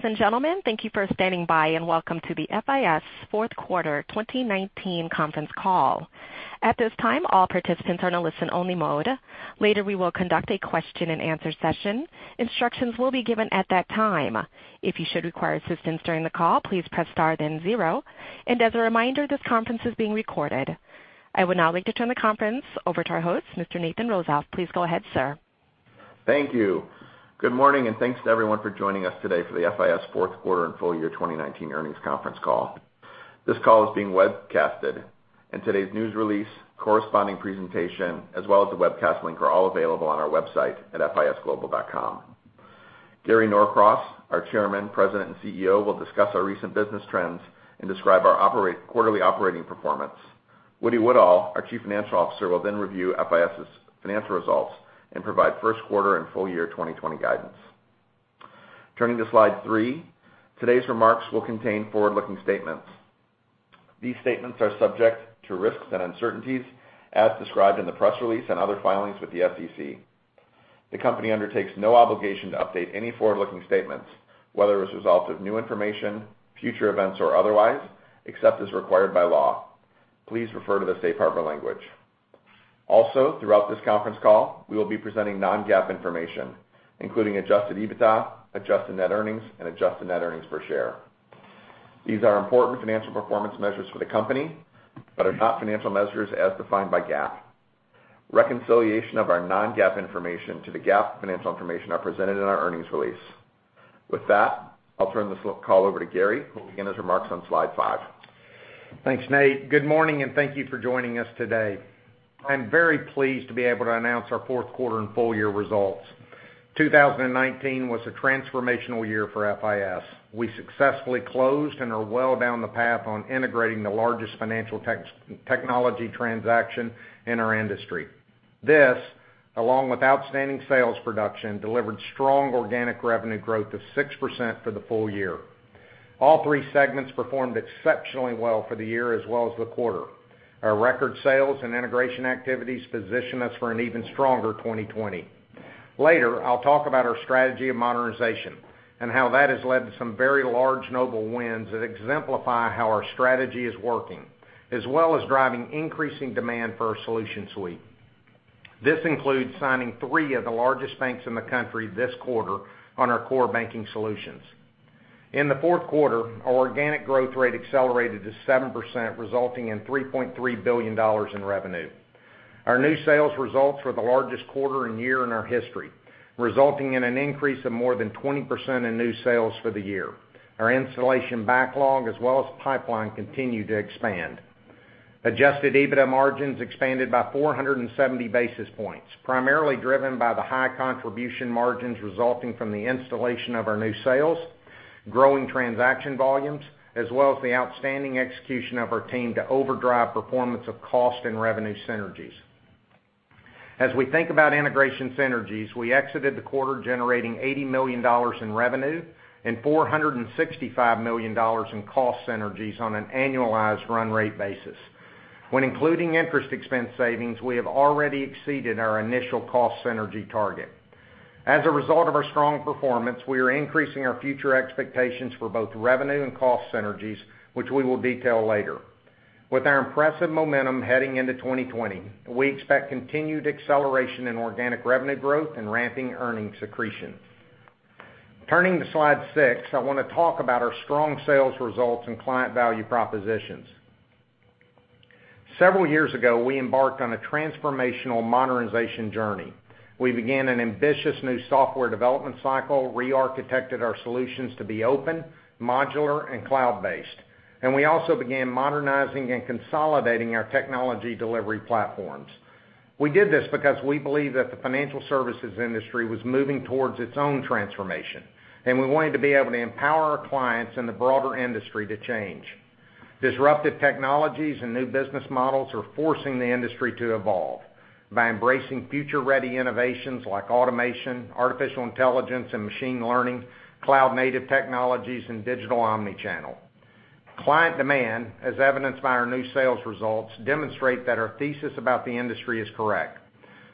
Ladies and gentlemen, thank you for standing by, and welcome to the FIS Fourth Quarter 2019 Conference Call. At this time, all participants are in a listen-only mode. Later, we will conduct a question and answer session. Instructions will be given at that time. If you should require assistance during the call, please press star then zero, and as a reminder, this conference is being recorded. I would now like to turn the conference over to our host, Mr. Nathan Rozof. Please go ahead, sir. Thank you. Good morning and thanks to everyone for joining us today for the FIS fourth quarter and full-year 2019 earnings conference call. This call is being webcasted. Today's news release, corresponding presentation, as well as the webcast link are all available on our website at fisglobal.com. Gary Norcross, our Chairman, President, and CEO, will discuss our recent business trends and describe our quarterly operating performance. Woody Woodall, our Chief Financial Officer, will review FIS's financial results and provide first quarter and full-year 2020 guidance. Turning to slide three, today's remarks will contain forward-looking statements. These statements are subject to risks and uncertainties as described in the press release and other filings with the SEC. The company undertakes no obligation to update any forward-looking statements, whether as a result of new information, future events, or otherwise, except as required by law. Please refer to the safe harbor language. Also, throughout this conference call, we will be presenting non-GAAP information, including adjusted EBITDA, adjusted net earnings, and adjusted net earnings per share. These are important financial performance measures for the company but are not financial measures as defined by GAAP. Reconciliation of our non-GAAP information to the GAAP financial information are presented in our earnings release. With that, I'll turn this call over to Gary, who will begin his remarks on slide five. Thanks, Nate. Good morning and thank you for joining us today. I'm very pleased to be able to announce our fourth quarter and full year results. 2019 was a transformational year for FIS. We successfully closed and are well down the path on integrating the largest financial technology transaction in our industry. This, along with outstanding sales production, delivered strong organic revenue growth of 6% for the full year. All three segments performed exceptionally well for the year as well as the quarter. Our record sales and integration activities position us for an even stronger 2020. Later, I'll talk about our strategy of modernization and how that has led to some very large notable wins that exemplify how our strategy is working, as well as driving increasing demand for our solution suite. This includes signing three of the largest banks in the country this quarter on our core banking solutions. In the fourth quarter, our organic growth rate accelerated to 7%, resulting in $3.3 billion in revenue. Our new sales results were the largest quarter and year in our history, resulting in an increase of more than 20% in new sales for the year. Our installation backlog as well as pipeline continued to expand. Adjusted EBITDA margins expanded by 470 basis points, primarily driven by the high contribution margins resulting from the installation of our new sales, growing transaction volumes, as well as the outstanding execution of our team to overdrive performance of cost and revenue synergies. As we think about integration synergies, we exited the quarter generating $80 million in revenue and $465 million in cost synergies on an annualized run rate basis. When including interest expense savings, we have already exceeded our initial cost synergy target. As a result of our strong performance, we are increasing our future expectations for both revenue and cost synergies, which we will detail later. With our impressive momentum heading into 2020, we expect continued acceleration in organic revenue growth and ramping earnings accretion. Turning to slide six, I want to talk about our strong sales results and client value propositions. Several years ago, we embarked on a transformational modernization journey. We began an ambitious new software development cycle, re-architected our solutions to be open, modular, and cloud-based, and we also began modernizing and consolidating our technology delivery platforms. We did this because we believe that the financial services industry was moving towards its own transformation, and we wanted to be able to empower our clients and the broader industry to change. Disruptive technologies and new business models are forcing the industry to evolve by embracing future-ready innovations like automation, artificial intelligence and machine learning, cloud-native technologies, and digital omnichannel. Client demand, as evidenced by our new sales results, demonstrate that our thesis about the industry is correct.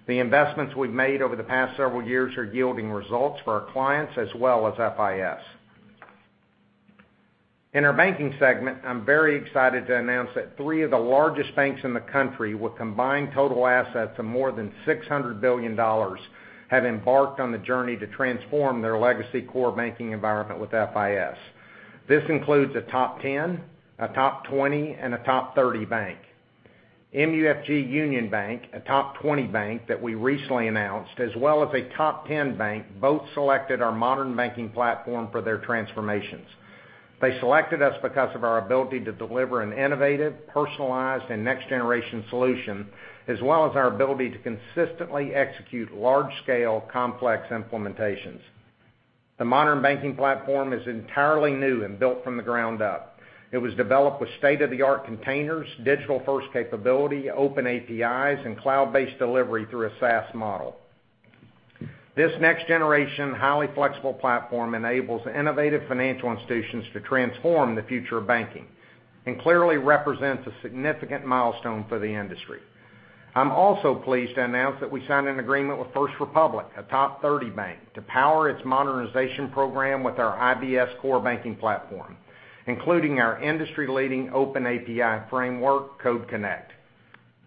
The investments we've made over the past several years are yielding results for our clients as well as FIS. In our banking segment, I'm very excited to announce that three of the largest banks in the country with combined total assets of more than $600 billion have embarked on the journey to transform their legacy core banking environment with FIS. This includes a top 10, a top 20, and a top 30 bank. MUFG Union Bank, a top 20 bank that we recently announced, as well as a top 10 bank, both selected our Modern Banking Platform for their transformations. They selected us because of our ability to deliver an innovative, personalized, and next-generation solution, as well as our ability to consistently execute large-scale, complex implementations. The Modern Banking Platform is entirely new and built from the ground up. It was developed with state-of-the-art containers, digital-first capability, open APIs, and cloud-based delivery through a SaaS model. This next-generation, highly flexible platform enables innovative financial institutions to transform the future of banking and clearly represents a significant milestone for the industry. I'm also pleased to announce that we signed an agreement with First Republic, a top 30 bank, to power its modernization program with our IBS core banking platform, including our industry-leading open API framework, Code Connect.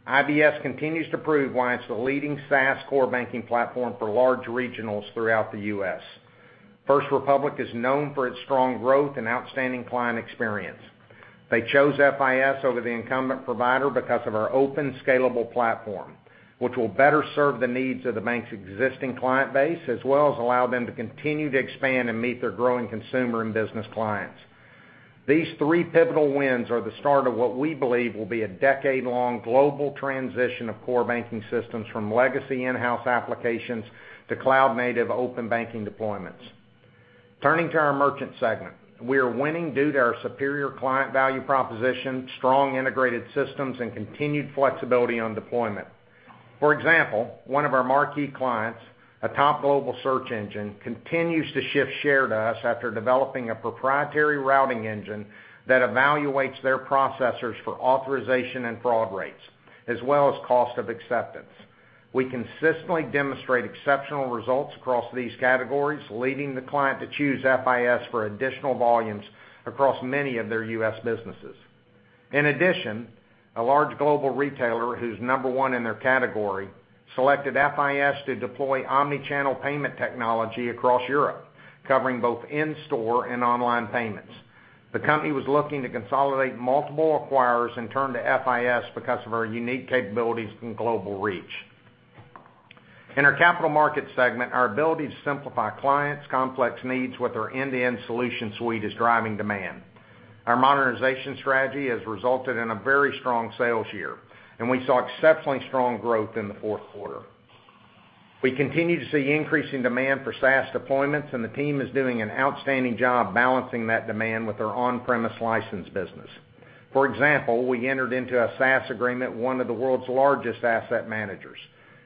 IBS continues to prove why it's the leading SaaS core banking platform for large regionals throughout the U.S. First Republic is known for its strong growth and outstanding client experience. They chose FIS over the incumbent provider because of our open, scalable platform, which will better serve the needs of the bank's existing client base, as well as allow them to continue to expand and meet their growing consumer and business clients. These three pivotal wins are the start of what we believe will be a decade-long global transition of core banking systems, from legacy in-house applications to cloud-native open banking deployments. Turning to our merchant segment. We are winning due to our superior client value proposition, strong integrated systems, and continued flexibility on deployment. For example, one of our marquee clients, a top global search engine, continues to shift share to us after developing a proprietary routing engine that evaluates their processors for authorization and fraud rates, as well as cost of acceptance. We consistently demonstrate exceptional results across these categories, leading the client to choose FIS for additional volumes across many of their U.S. businesses. In addition, a large global retailer who's number one in their category selected FIS to deploy omnichannel payment technology across Europe, covering both in-store and online payments. The company was looking to consolidate multiple acquirers and turned to FIS because of our unique capabilities and global reach. In our capital market segment, our ability to simplify clients' complex needs with our end-to-end solution suite is driving demand. Our modernization strategy has resulted in a very strong sales year. We saw exceptionally strong growth in the fourth quarter. We continue to see increasing demand for SaaS deployments. The team is doing an outstanding job balancing that demand with our on-premise license business. For example, we entered into a SaaS agreement with one of the world's largest asset managers.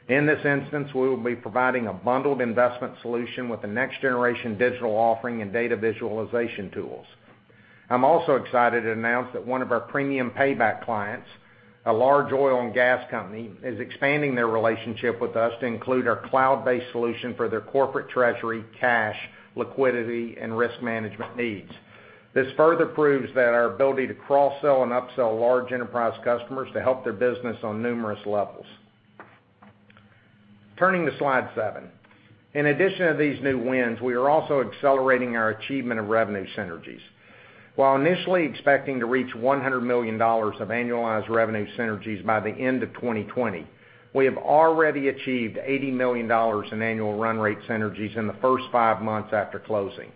In this instance, we will be providing a bundled investment solution with a next-generation digital offering and data visualization tools. I'm also excited to announce that one of our Premium Payback clients, a large oil and gas company, is expanding their relationship with us to include our cloud-based solution for their corporate treasury, cash, liquidity, and risk management needs. This further proves that our ability to cross-sell and upsell large enterprise customers to help their business on numerous levels. Turning to slide seven. In addition to these new wins, we are also accelerating our achievement of revenue synergies. While initially expecting to reach $100 million of annualized revenue synergies by the end of 2020, we have already achieved $80 million in annual run rate synergies in the first five months after closing.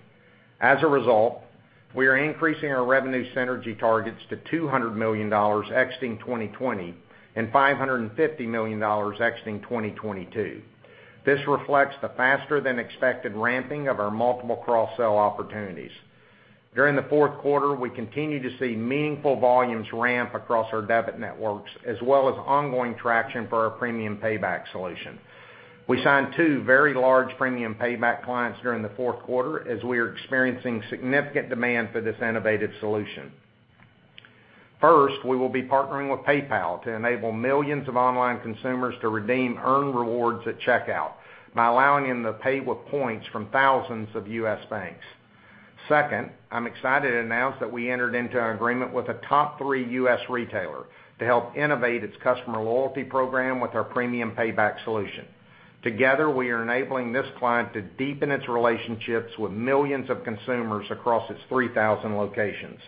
As a result, we are increasing our revenue synergy targets to $200 million exiting 2020 and $550 million exiting 2022. This reflects the faster than expected ramping of our multiple cross-sell opportunities. During the fourth quarter, we continued to see meaningful volumes ramp across our debit networks, as well as ongoing traction for our Premium Payback solution. We signed two very large Premium Payback clients during the fourth quarter, as we are experiencing significant demand for this innovative solution. First, we will be partnering with PayPal to enable millions of online consumers to redeem earned rewards at checkout by allowing them to pay with points from thousands of U.S. banks. Second, I'm excited to announce that we entered into an agreement with a top three U.S. retailer to help innovate its customer loyalty program with our Premium Payback solution. Together, we are enabling this client to deepen its relationships with millions of consumers across its 3,000 locations.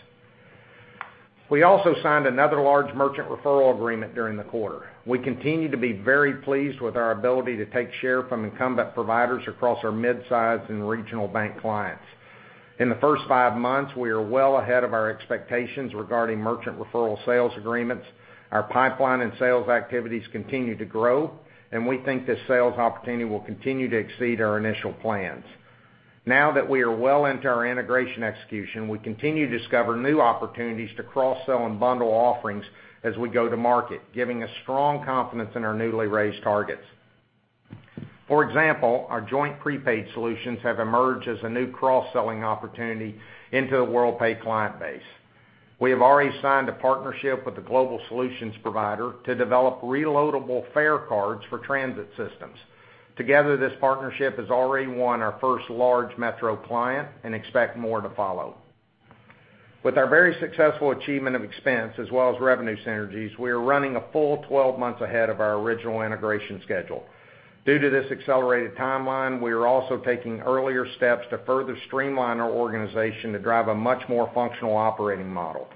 We also signed another large merchant referral agreement during the quarter. We continue to be very pleased with our ability to take share from incumbent providers across our mid-size and regional bank clients. In the first five months, we are well ahead of our expectations regarding merchant referral sales agreements. Our pipeline and sales activities continue to grow, and we think this sales opportunity will continue to exceed our initial plans. Now that we are well into our integration execution, we continue to discover new opportunities to cross-sell and bundle offerings as we go to market, giving us strong confidence in our newly raised targets. For example, our joint prepaid solutions have emerged as a new cross-selling opportunity into the Worldpay client base. We have already signed a partnership with a global solutions provider to develop reloadable fare cards for transit systems. Together, this partnership has already won our first large metro client, and expect more to follow. With our very successful achievement of expense as well as revenue synergies, we are running a full 12 months ahead of our original integration schedule. Due to this accelerated timeline, we are also taking earlier steps to further streamline our organization to drive a much more functional operating model.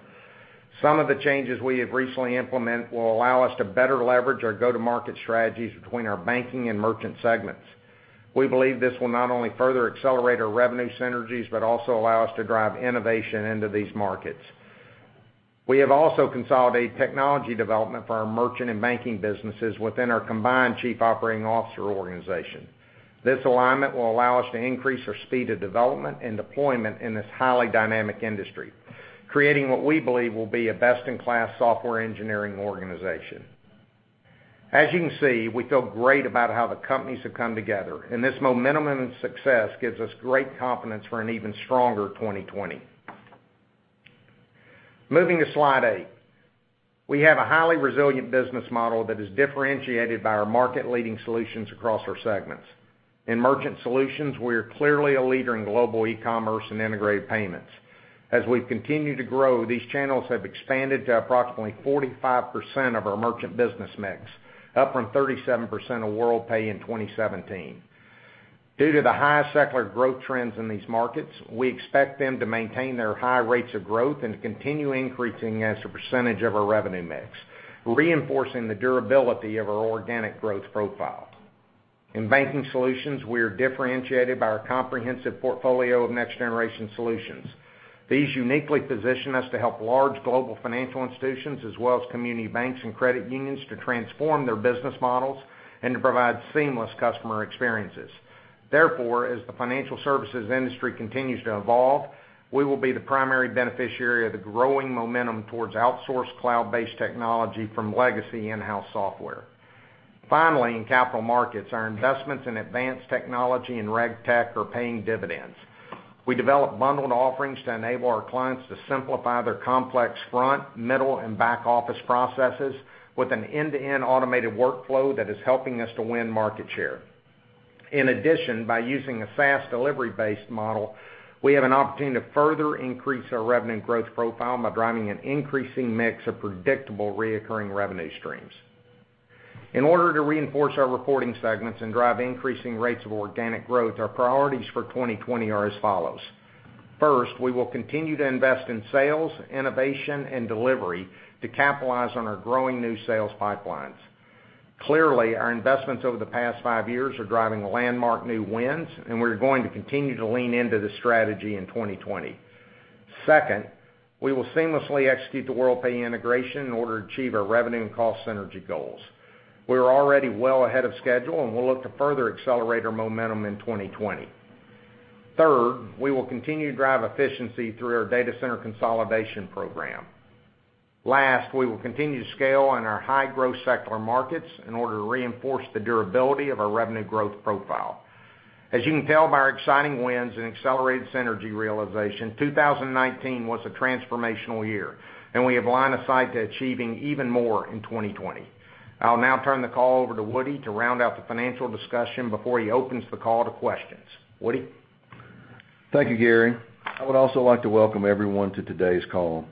Some of the changes we have recently implemented will allow us to better leverage our go-to-market strategies between our banking and merchant segments. We believe this will not only further accelerate our revenue synergies, but also allow us to drive innovation into these markets. We have also consolidated technology development for our merchant and banking businesses within our combined chief operating officer organization. This alignment will allow us to increase our speed of development and deployment in this highly dynamic industry, creating what we believe will be a best-in-class software engineering organization. As you can see, we feel great about how the companies have come together. This momentum and success gives us great confidence for an even stronger 2020. Moving to slide eight, we have a highly resilient business model that is differentiated by our market-leading solutions across our segments. In Merchant Solutions, we are clearly a leader in global e-commerce and integrated payments. As we've continued to grow, these channels have expanded to approximately 45% of our merchant business mix, up from 37% of Worldpay in 2017. Due to the high secular growth trends in these markets, we expect them to maintain their high rates of growth and to continue increasing as a percentage of our revenue mix, reinforcing the durability of our organic growth profile. In Banking Solutions, we are differentiated by our comprehensive portfolio of next-generation solutions. These uniquely position us to help large global financial institutions as well as community banks and credit unions to transform their business models and to provide seamless customer experiences. Therefore, as the financial services industry continues to evolve, we will be the primary beneficiary of the growing momentum towards outsourced cloud-based technology from legacy in-house software. Finally, in Capital Markets, our investments in advanced technology and RegTech are paying dividends. We develop bundled offerings to enable our clients to simplify their complex front, middle, and back office processes with an end-to-end automated workflow that is helping us to win market share. In addition, by using a SaaS delivery-based model, we have an opportunity to further increase our revenue growth profile by driving an increasing mix of predictable reoccurring revenue streams. In order to reinforce our reporting segments and drive increasing rates of organic growth, our priorities for 2020 are as follows. First, we will continue to invest in sales, innovation, and delivery to capitalize on our growing new sales pipelines. Clearly, our investments over the past five years are driving landmark new wins, and we're going to continue to lean into this strategy in 2020. Second, we will seamlessly execute the Worldpay integration in order to achieve our revenue and cost synergy goals. We're already well ahead of schedule. We'll look to further accelerate our momentum in 2020. Third, we will continue to drive efficiency through our data center consolidation program. Last, we will continue to scale on our high-growth secular markets in order to reinforce the durability of our revenue growth profile. As you can tell by our exciting wins and accelerated synergy realization, 2019 was a transformational year. We have line of sight to achieving even more in 2020. I'll now turn the call over to Woody to round out the financial discussion before he opens the call to questions. Woody? Thank you, Gary. I would also like to welcome everyone to today's call.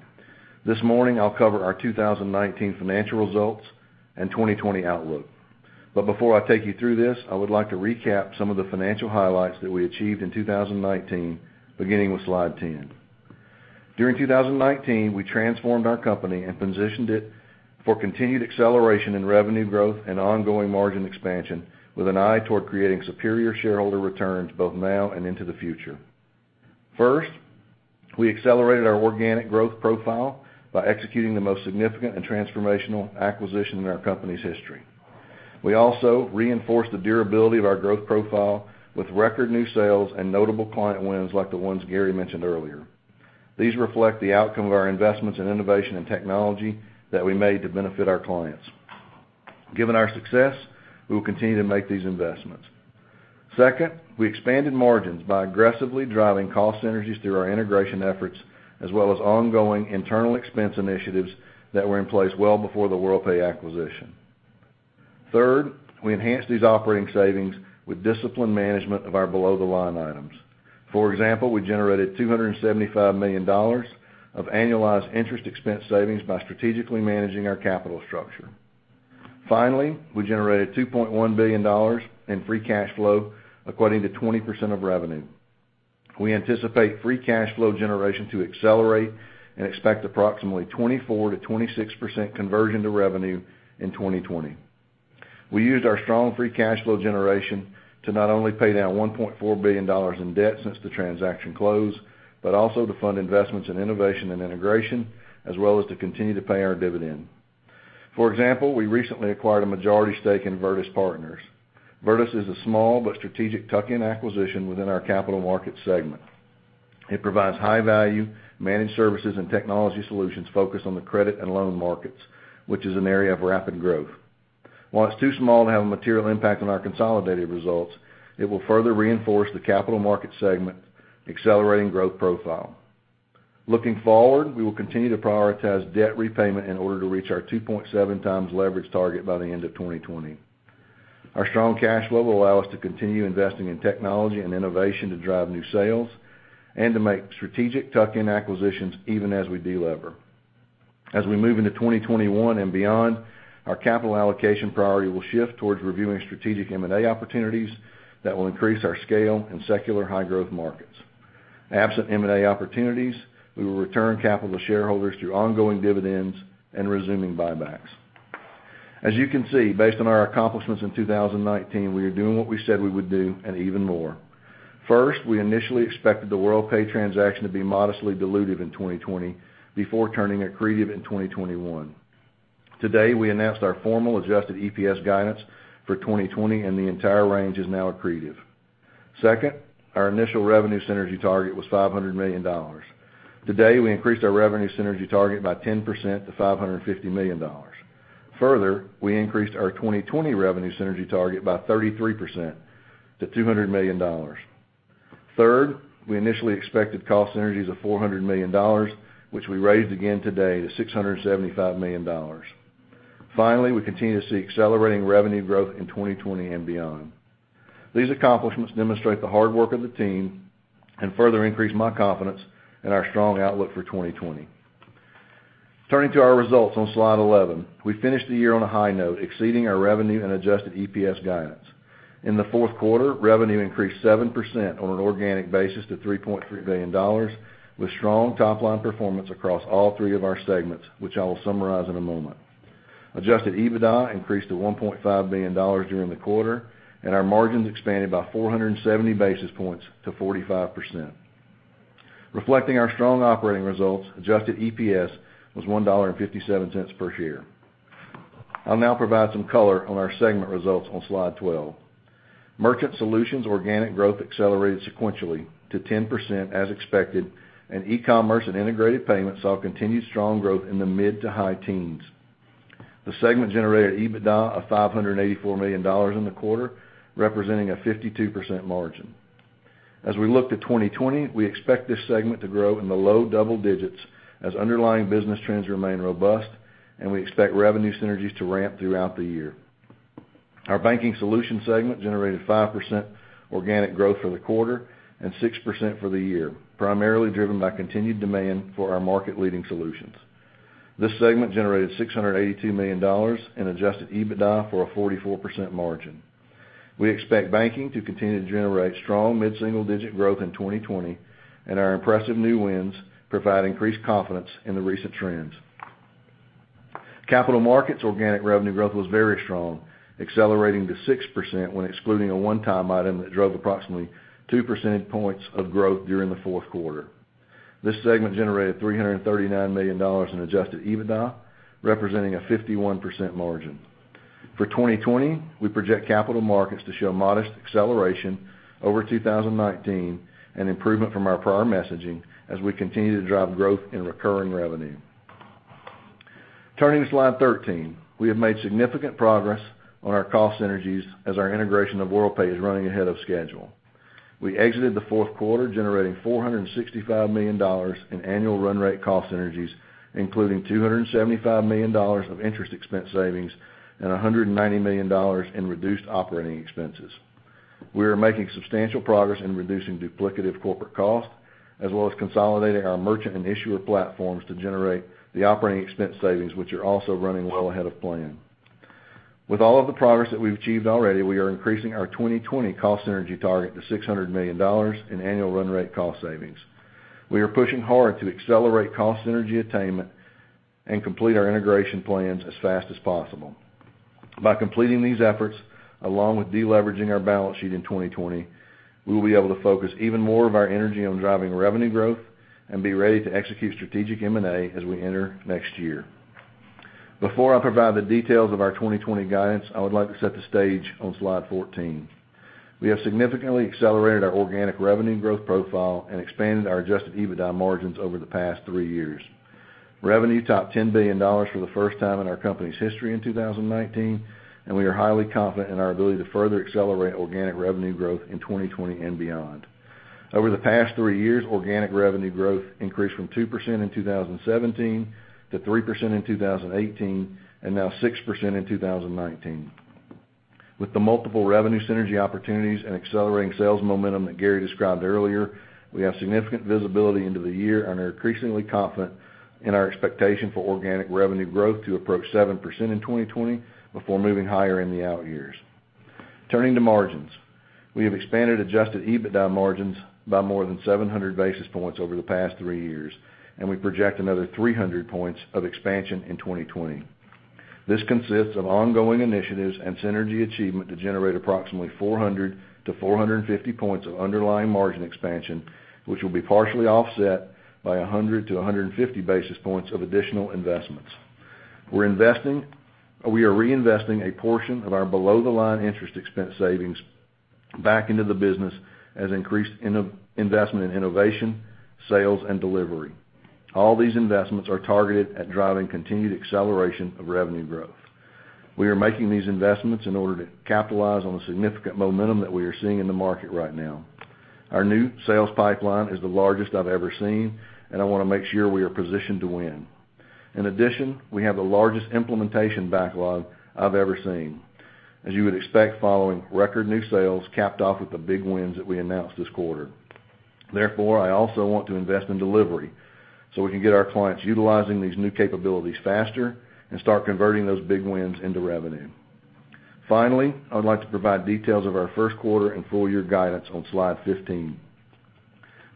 This morning, I'll cover our 2019 financial results and 2020 outlook. Before I take you through this, I would like to recap some of the financial highlights that we achieved in 2019, beginning with slide 10. During 2019, we transformed our company and positioned it for continued acceleration in revenue growth and ongoing margin expansion, with an eye toward creating superior shareholder returns both now and into the future. First, we accelerated our organic growth profile by executing the most significant and transformational acquisition in our company's history. We also reinforced the durability of our growth profile with record new sales and notable client wins like the ones Gary mentioned earlier. These reflect the outcome of our investments in innovation and technology that we made to benefit our clients. Given our success, we will continue to make these investments. Second, we expanded margins by aggressively driving cost synergies through our integration efforts, as well as ongoing internal expense initiatives that were in place well before the Worldpay acquisition. Third, we enhanced these operating savings with disciplined management of our below-the-line items. For example, we generated $275 million of annualized interest expense savings by strategically managing our capital structure. Finally, we generated $2.1 billion in free cash flow according to 20% of revenue. We anticipate free cash flow generation to accelerate and expect approximately 24% to 26% conversion to revenue in 2020. We used our strong free cash flow generation to not only pay down $1.4 billion in debt since the transaction close, but also to fund investments in innovation and integration, as well as to continue to pay our dividend. For example, we recently acquired a majority stake in Virtus Partners. Virtus is a small but strategic tuck-in acquisition within our Capital Markets segment. It provides high-value managed services and technology solutions focused on the credit and loan markets, which is an area of rapid growth. While it's too small to have a material impact on our consolidated results, it will further reinforce the Capital Markets segment, accelerating growth profile. Looking forward, we will continue to prioritize debt repayment in order to reach our 2.7x leverage target by the end of 2020. Our strong cash flow will allow us to continue investing in technology and innovation to drive new sales and to make strategic tuck-in acquisitions even as we de-lever. As we move into 2021 and beyond, our capital allocation priority will shift towards reviewing strategic M&A opportunities that will increase our scale in secular high-growth markets. Absent M&A opportunities, we will return capital to shareholders through ongoing dividends and resuming buybacks. As you can see, based on our accomplishments in 2019, we are doing what we said we would do and even more. First, we initially expected the Worldpay transaction to be modestly dilutive in 2020 before turning accretive in 2021. Today, we announced our formal adjusted EPS guidance for 2020, and the entire range is now accretive. Second, our initial revenue synergy target was $500 million. Today, we increased our revenue synergy target by 10% to $550 million. Further, we increased our 2020 revenue synergy target by 33% to $200 million. Third, we initially expected cost synergies of $400 million, which we raised again today to $675 million, and finally, we continue to see accelerating revenue growth in 2020 and beyond. These accomplishments demonstrate the hard work of the team and further increase my confidence in our strong outlook for 2020. Turning to our results on slide 11, we finished the year on a high note, exceeding our revenue and adjusted EPS guidance. In the fourth quarter, revenue increased 7% on an organic basis to $3.3 billion, with strong top-line performance across all three of our segments, which I will summarize in a moment. Adjusted EBITDA increased to $1.5 billion during the quarter and our margins expanded by 470 basis points to 45%. Reflecting our strong operating results, adjusted EPS was $1.57 per share. I'll now provide some color on our segment results on slide 12. Merchant Solutions organic growth accelerated sequentially to 10% as expected. E-commerce and integrated payments saw continued strong growth in the mid-to-high teens. The segment generated EBITDA of $584 million in the quarter, representing a 52% margin. As we look to 2020, we expect this segment to grow in the low double digits as underlying business trends remain robust, and we expect revenue synergies to ramp throughout the year. Our Banking Solution segment generated 5% organic growth for the quarter and 6% for the year, primarily driven by continued demand for our market-leading solutions. This segment generated $682 million in adjusted EBITDA for a 44% margin. We expect banking to continue to generate strong mid-single-digit growth in 2020, and our impressive new wins provide increased confidence in the recent trends. Capital Markets organic revenue growth was very strong, accelerating to 6% when excluding a one-time item that drove approximately two percentage points of growth during the fourth quarter. This segment generated $339 million in adjusted EBITDA, representing a 51% margin. For 2020, we project Capital Markets to show modest acceleration over 2019 and improvement from our prior messaging as we continue to drive growth in recurring revenue. Turning to slide 13, we have made significant progress on our cost synergies as our integration of Worldpay is running ahead of schedule. We exited the fourth quarter generating $465 million in annual run rate cost synergies, including $275 million of interest expense savings and $190 million in reduced operating expenses. We are making substantial progress in reducing duplicative corporate costs, as well as consolidating our merchant and issuer platforms to generate the operating expense savings, which are also running well ahead of plan. With all of the progress that we've achieved already, we are increasing our 2020 cost synergy target to $600 million in annual run rate cost savings. We are pushing hard to accelerate cost synergy attainment and complete our integration plans as fast as possible. By completing these efforts, along with deleveraging our balance sheet in 2020, we will be able to focus even more of our energy on driving revenue growth and be ready to execute strategic M&A as we enter next year. Before I provide the details of our 2020 guidance, I would like to set the stage on slide 14. We have significantly accelerated our organic revenue growth profile and expanded our adjusted EBITDA margins over the past three years. Revenue topped $10 billion for the first time in our company's history in 2019 and we are highly confident in our ability to further accelerate organic revenue growth in 2020 and beyond. Over the past three years, organic revenue growth increased from 2% in 2017 to 3% in 2018, and now 6% in 2019. With the multiple revenue synergy opportunities and accelerating sales momentum that Gary described earlier, we have significant visibility into the year and are increasingly confident in our expectation for organic revenue growth to approach 7% in 2020 before moving higher in the out years. Turning to margins, we have expanded adjusted EBITDA margins by more than 700 basis points over the past three years, and we project another 300 points of expansion in 2020. This consists of ongoing initiatives and synergy achievement to generate approximately 400 points to 450 points of underlying margin expansion, which will be partially offset by 100 basis points to 150 basis points of additional investments. We are reinvesting a portion of our below-the-line interest expense savings back into the business as increased investment in innovation, sales, and delivery. All these investments are targeted at driving continued acceleration of revenue growth. We are making these investments in order to capitalize on the significant momentum that we are seeing in the market right now. Our new sales pipeline is the largest I've ever seen, and I want to make sure we are positioned to win. In addition, we have the largest implementation backlog I've ever seen. As you would expect, following record new sales capped off with the big wins that we announced this quarter. Therefore, I also want to invest in delivery so we can get our clients utilizing these new capabilities faster and start converting those big wins into revenue. Finally, I would like to provide details of our first quarter and full-year guidance on slide 15.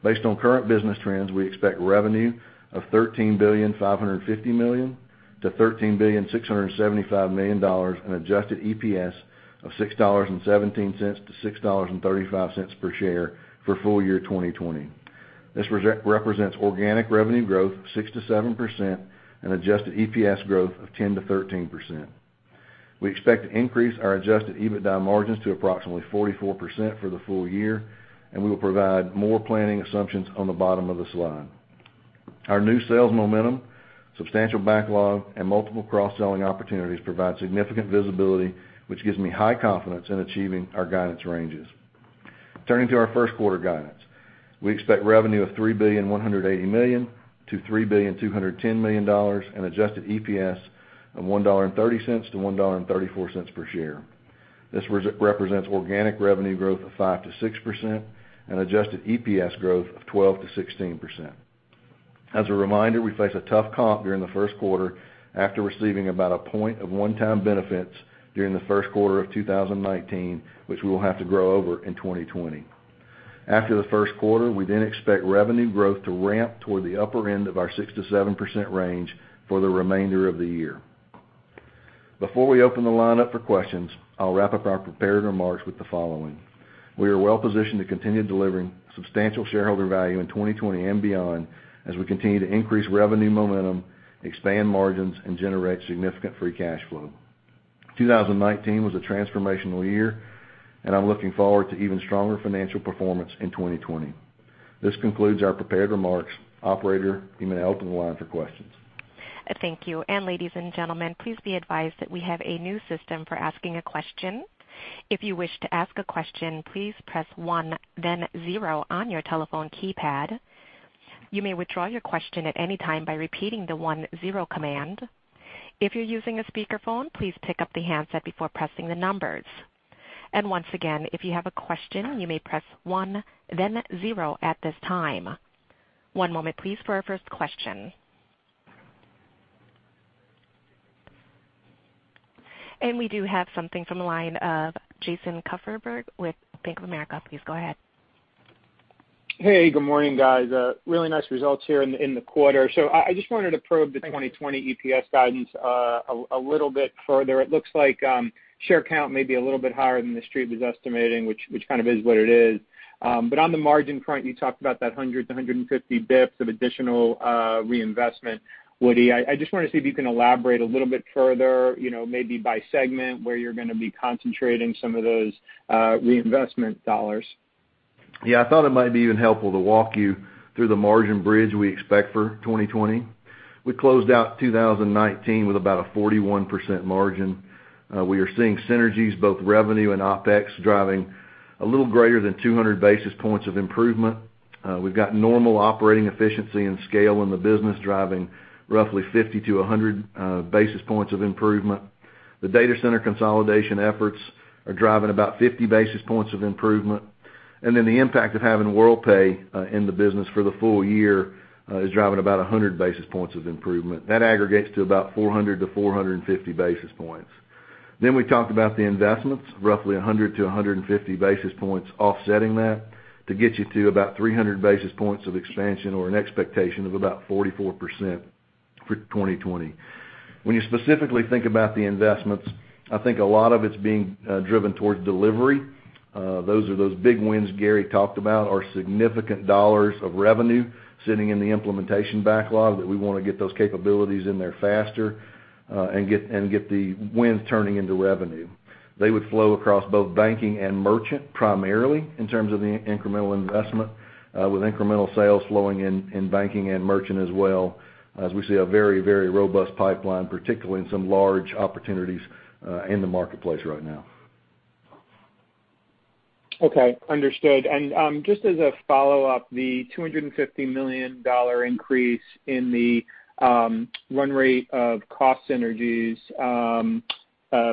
Based on current business trends, we expect revenue of $13.55 billion to $13.675 billion and adjusted EPS of $6.17 to $6.35 per share for full-year 2020. This represents organic revenue growth of 6% to 7% and adjusted EPS growth of 10% to 13%. We expect to increase our adjusted EBITDA margins to approximately 44% for the full-year, and we will provide more planning assumptions on the bottom of the slide. Our new sales momentum, substantial backlog, and multiple cross-selling opportunities provide significant visibility, which gives me high confidence in achieving our guidance ranges. Turning to our first quarter guidance, we expect revenue of $3.18 billion to $3.21 billion and adjusted EPS of $1.30 to $1.34 per share. This represents organic revenue growth of 5% to 6% and adjusted EPS growth of 12% to 16%. As a reminder, we face a tough comp during the first quarter after receiving about a point of one-time benefits during the first quarter of 2019, which we will have to grow over in 2020. After the first quarter, we then expect revenue growth to ramp toward the upper end of our 6% to 7% range for the remainder of the year. Before we open the line up for questions, I'll wrap up our prepared remarks with the following. We are well-positioned to continue delivering substantial shareholder value in 2020 and beyond as we continue to increase revenue momentum, expand margins, and generate significant free cash flow. 2019 was a transformational year, and I'm looking forward to even stronger financial performance in 2020. This concludes our prepared remarks. Operator, you may open the line for questions. Thank you. Ladies and gentlemen, please be advised that we have a new system for asking a question. If you wish to ask a question, please press one then zero on your telephone keypad. You may withdraw your question at any time by repeating the one zero command. If you're using a speakerphone, please pick up the handset before pressing the numbers. Once again, if you have a question, you may press one then zero at this time. One moment please for our first question. We do have something from the line of Jason Kupferberg with Bank of America. Please go ahead. Hey, good morning, guys, really nice results here in the quarter, so I just wanted to probe the 2020 EPS guidance a little bit further. It looks like share count may be a little bit higher than the Street was estimating, which kind of is what it is. On the margin front, you talked about that 100 basis points to 150 basis points of additional reinvestment, Woody. I just want to see if you can elaborate a little bit further, maybe by segment, where you're going to be concentrating some of those reinvestment dollars. Yeah. I thought it might be even helpful to walk you through the margin bridge we expect for 2020. We closed out 2019 with about a 41% margin. We are seeing synergies, both revenue and OpEx, driving a little greater than 200 basis points of improvement. We've got normal operating efficiency and scale in the business driving roughly 50 basis points to 100 basis points of improvement. The data center consolidation efforts are driving about 50 basis points of improvement, and then the impact of having Worldpay in the business for the full year is driving about 100 basis points of improvement. That aggregates to about 400 basis points to 450 basis points. We talked about the investments, roughly 100 basis points to 150 basis points offsetting that to get you to about 300 basis points of expansion or an expectation of about 44% for 2020. When you specifically think about the investments, I think a lot of it's being driven towards delivery. Those are those big wins Gary talked about, our significant dollars of revenue sitting in the implementation backlog that we want to get those capabilities in there faster and get the wins turning into revenue. They would flow across both banking and merchant primarily in terms of the incremental investment, with incremental sales flowing in banking and merchant as well, as we see a very robust pipeline, particularly in some large opportunities in the marketplace right now. Okay, understood, and just as a follow-up, the $250 million increase in the run rate of cost synergies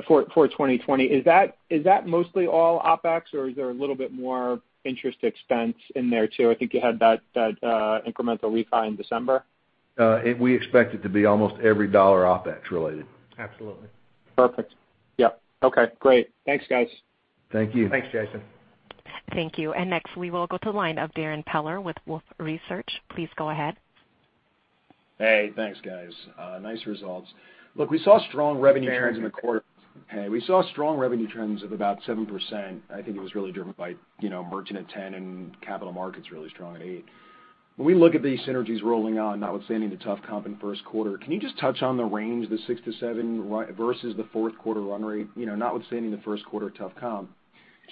for 2020, is that mostly all OpEx, or is there a little bit more interest expense in there, too? I think you had that incremental refi in December. We expect it to be almost every dollar OpEx related. Absolutely. Perfect. Yep. Okay, great. Thanks, guys. Thank you. Thanks, Jason. Thank you. Next, we will go to the line of Darrin Peller with Wolfe Research. Please go ahead. Hey, thanks, guys. Nice results. We saw strong revenue trends in the quarter. We saw strong revenue trends of about 7%. I think it was really driven by merchant at 10% and capital markets really strong at 8%. When we look at these synergies rolling on, notwithstanding the tough comp in the first quarter, can you just touch on the range, the 6% to 7%, versus the fourth quarter run rate? Notwithstanding the first quarter tough comp.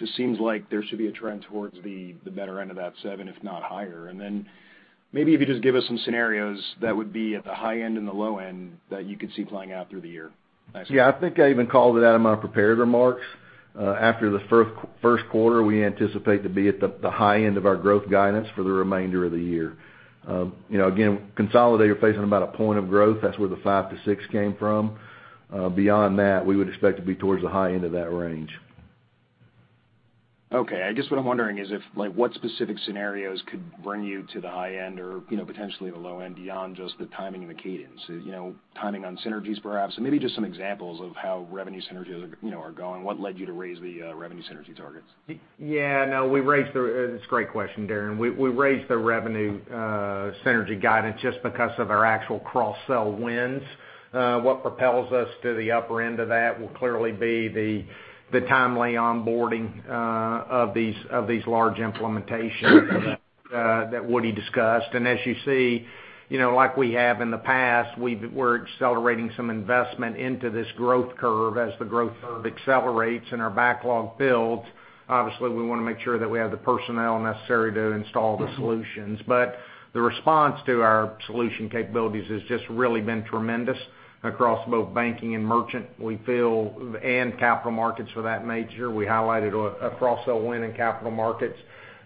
It just seems like there should be a trend towards the better end of that 7%, if not higher. Maybe if you just give us some scenarios that would be at the high end and the low end that you could see playing out through the year. Yeah, I think I even called it out in my prepared remarks. After the first quarter, we anticipate to be at the high end of our growth guidance for the remainder of the year, you know, again, consolidator facing about a point of growth. That's where the 5% to 6% came from. Beyond that, we would expect to be towards the high end of that range. Okay. I guess what I'm wondering is what specific scenarios could bring you to the high end or potentially the low end beyond just the timing and the cadence? Timing on synergies perhaps and maybe just some examples of how revenue synergies are going. What led you to raise the revenue synergy targets? Yeah, no. It's a great question, Darrin. We raised the revenue synergy guidance just because of our actual cross-sell wins. What propels us to the upper end of that will clearly be the timely onboarding of these large implementations that Woody discussed. As you see, like we have in the past, we're accelerating some investment into this growth curve. As the growth curve accelerates and our backlog builds, obviously we want to make sure that we have the personnel necessary to install the solutions. The response to our solution capabilities has just really been tremendous across both banking and merchant, and capital markets for that matter. We highlighted a cross-sell win in capital markets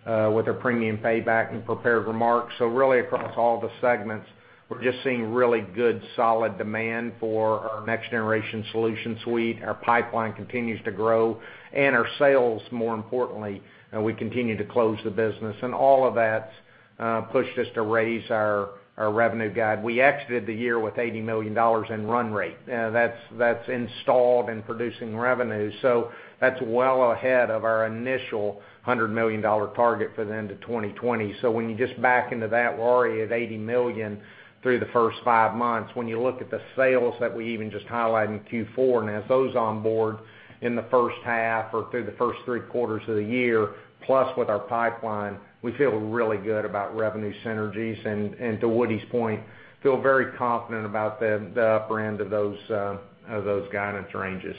with a Premium Payback in prepared remarks, so really across all the segments, we're just seeing really good, solid demand for our next-generation solution suite. Our pipeline continues to grow, and our sales, more importantly, we continue to close the business. All of that's pushed us to raise our revenue guide. We exited the year with $80 million in run rate, you know, that's installed and producing revenue. That's well ahead of our initial $100 million target for the end of 2020. When you just back into that, we're already at $80 million through the first five months. When you look at the sales that we even just highlighted in Q4 and as those onboard in the first half or through the first three quarters of the year, plus with our pipeline, we feel really good about revenue synergies. To Woody's point, feel very confident about the upper end of those guidance ranges.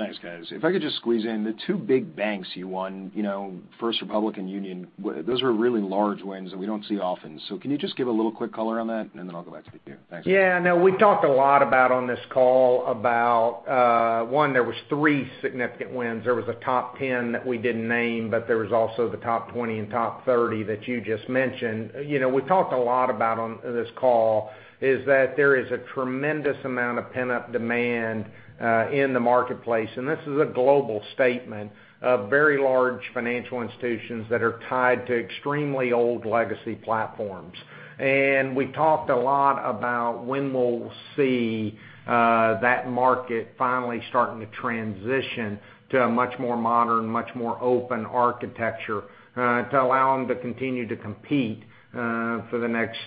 Thanks, guys. If I could just squeeze in, the two big banks you won, you know, First Republic and Union, those are really large wins that we don't see often. Can you just give a little quick color on that and then I'll go back to the queue. Thanks. Yeah, no, we've talked a lot about on this call about, one, there was three significant wins. There was a top 10 that we didn't name, but there was also the top 20 and top 30 that you just mentioned. We've talked a lot about on this call is that there is a tremendous amount of pent-up demand in the marketplace, and this is a global statement of very large financial institutions that are tied to extremely old legacy platforms. We talked a lot about when we'll see that market finally starting to transition to a much more modern, much more open architecture to allow them to continue to compete for the next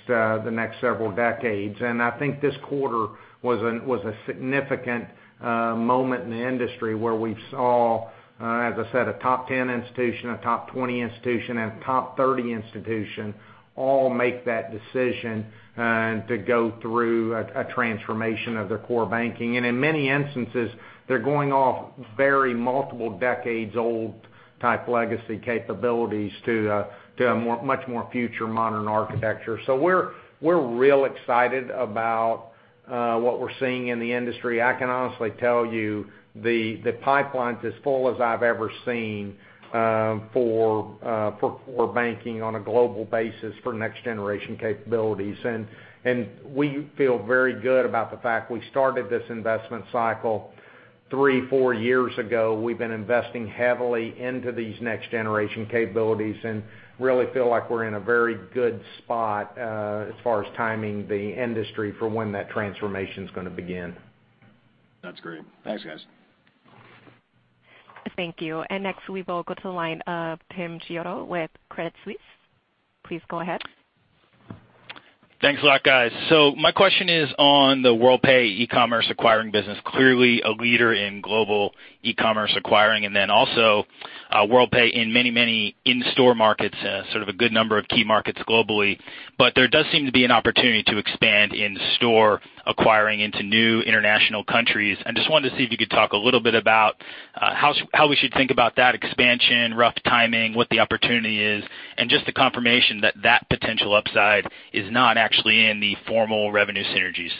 several decades. I think this quarter was a significant moment in the industry where we saw, as I said, a top 10 institution, a top 20 institution, and a top 30 institution all make that decision, and to go through a transformation of their core banking. In many instances, they're going off very multiple decades old type legacy capabilities to a much more future modern architecture. We're real excited about what we're seeing in the industry. I can honestly tell you the pipeline's as full as I've ever seen for core banking on a global basis for next-generation capabilities. We feel very good about the fact we started this investment cycle three, four years ago. We've been investing heavily into these next-generation capabilities and really feel like we're in a very good spot as far as timing the industry for when that transformation's going to begin. That's great. Thanks, guys. Thank you. Next, we will go to the line of Tim Chiodo with Credit Suisse. Please go ahead. Thanks a lot, guys. My question is on the Worldpay ecommerce acquiring business. Clearly a leader in global ecommerce acquiring, and then also Worldpay in many in-store markets, sort of a good number of key markets globally. There does seem to be an opportunity to expand in-store acquiring into new international countries. I just wanted to see if you could talk a little bit about how we should think about that expansion, rough timing, what the opportunity is, and just the confirmation that potential upside is not actually in the formal revenue synergies.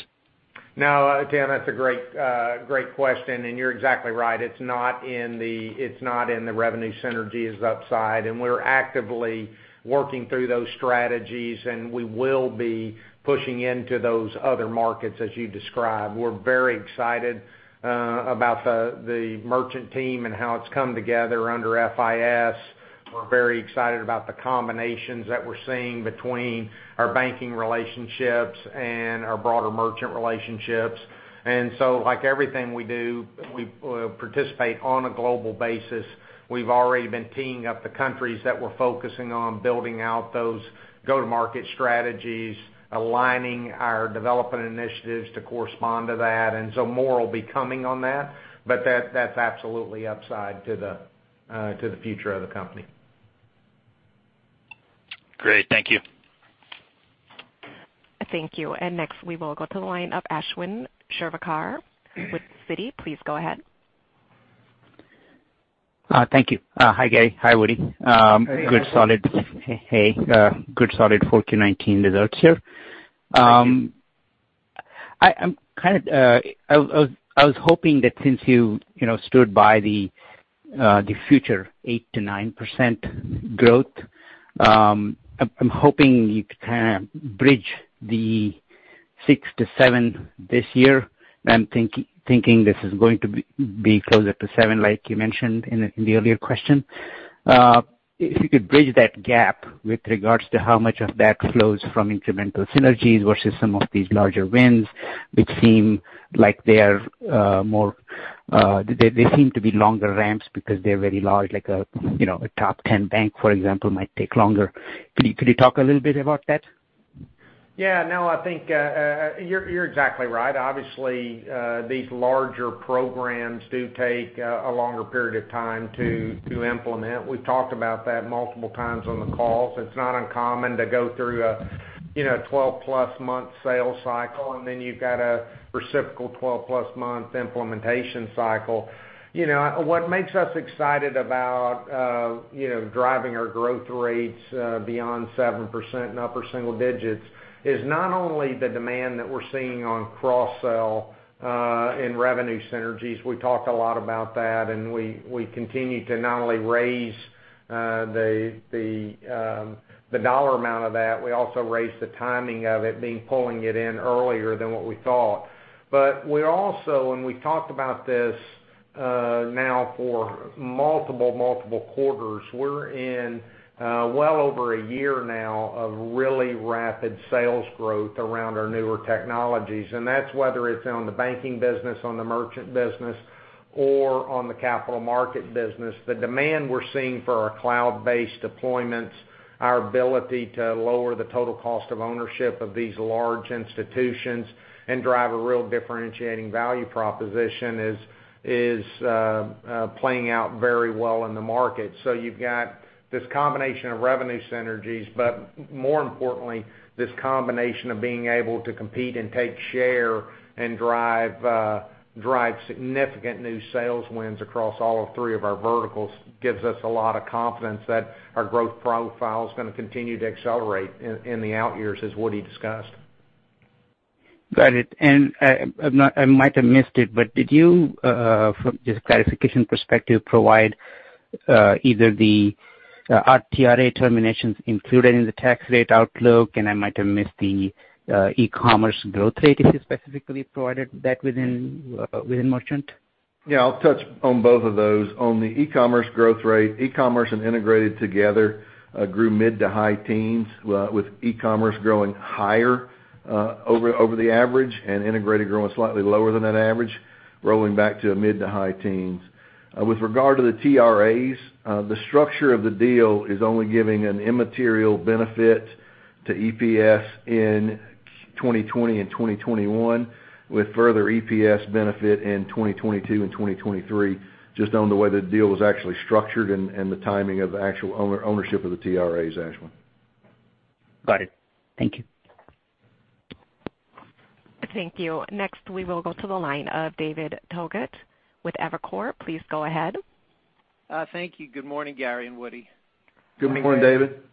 No, Tim, that's a great question, and you're exactly right. It's not in the revenue synergies upside. We're actively working through those strategies, and we will be pushing into those other markets as you describe. We're very excited about the merchant team and how it's come together under FIS. We're very excited about the combinations that we're seeing between our banking relationships and our broader merchant relationships. Like everything we do, we participate on a global basis. We've already been teeing up the countries that we're focusing on building out those go-to-market strategies, aligning our development initiatives to correspond to that, and so more will be coming on that, but that's absolutely upside to the future of the company. Great. Thank you. Thank you. Next, we will go to the line of Ashwin Shirvaikar with Citi. Please go ahead. Thank you. Hi, Gary. Hi, Woody. Hey, Ashwin. Good, solid 4Q 2019 results here. I was hoping that since you stood by the future 8% to 9% growth, I'm hoping you could bridge the 6% to 7% this year. I'm thinking this is going to be closer to 7%, like you mentioned in the earlier question. If you could bridge that gap with regards to how much of that flows from incremental synergies versus some of these larger wins, which seem like they seem to be longer ramps because they're very large, like a top 10 bank, for example, might take longer? Could you talk a little bit about that? Yeah, no, I think you're exactly right. Obviously, these larger programs do take a longer period of time to implement. We've talked about that multiple times on the calls. It's not uncommon to go through a, you know, 12+ month sales cycle, and then you've got a reciprocal 12+ month implementation cycle. What makes us excited about driving our growth rates beyond 7% and upper single digits is not only the demand that we're seeing on cross-sell in revenue synergies, we've talked a lot about that, and we continue to not only raise the dollar amount of that, we also raise the timing of it, being pulling it in earlier than what we thought. We also, and we've talked about this now for multiple, multiple quarters, we're in well over a year now of really rapid sales growth around our newer technologies, and that's whether it's on the banking business, on the merchant business, or on the capital market business. The demand we're seeing for our cloud-based deployments, our ability to lower the total cost of ownership of these large institutions and drive a real differentiating value proposition is playing out very well in the market. You've got this combination of revenue synergies, but more importantly, this combination of being able to compete and take share and drive significant new sales wins across all three of our verticals gives us a lot of confidence that our growth profile is going to continue to accelerate in the out years, as Woody discussed. Got it. I might have missed it, but did you, from just clarification perspective, provide either the TRA terminations included in the tax rate outlook? I might have missed the e-commerce growth rate, if you specifically provided that within merchant. Yeah, I'll touch on both of those. On the e-commerce growth rate, e-commerce and integrated together grew mid to high teens, with e-commerce growing higher over the average and integrated growing slightly lower than that average, rolling back to mid to high teens. With regard to the TRAs, the structure of the deal is only giving an immaterial benefit to EPS in 2020 and 2021, with further EPS benefit in 2022 and 2023, just on the way the deal was actually structured and the timing of actual owner ownership of the TRAs, Ashwin. Got it. Thank you. Thank you. Next, we will go to the line of David Togut with Evercore. Please go ahead. Thank you. Good morning, Gary and Woody. Good morning, David. Good morning.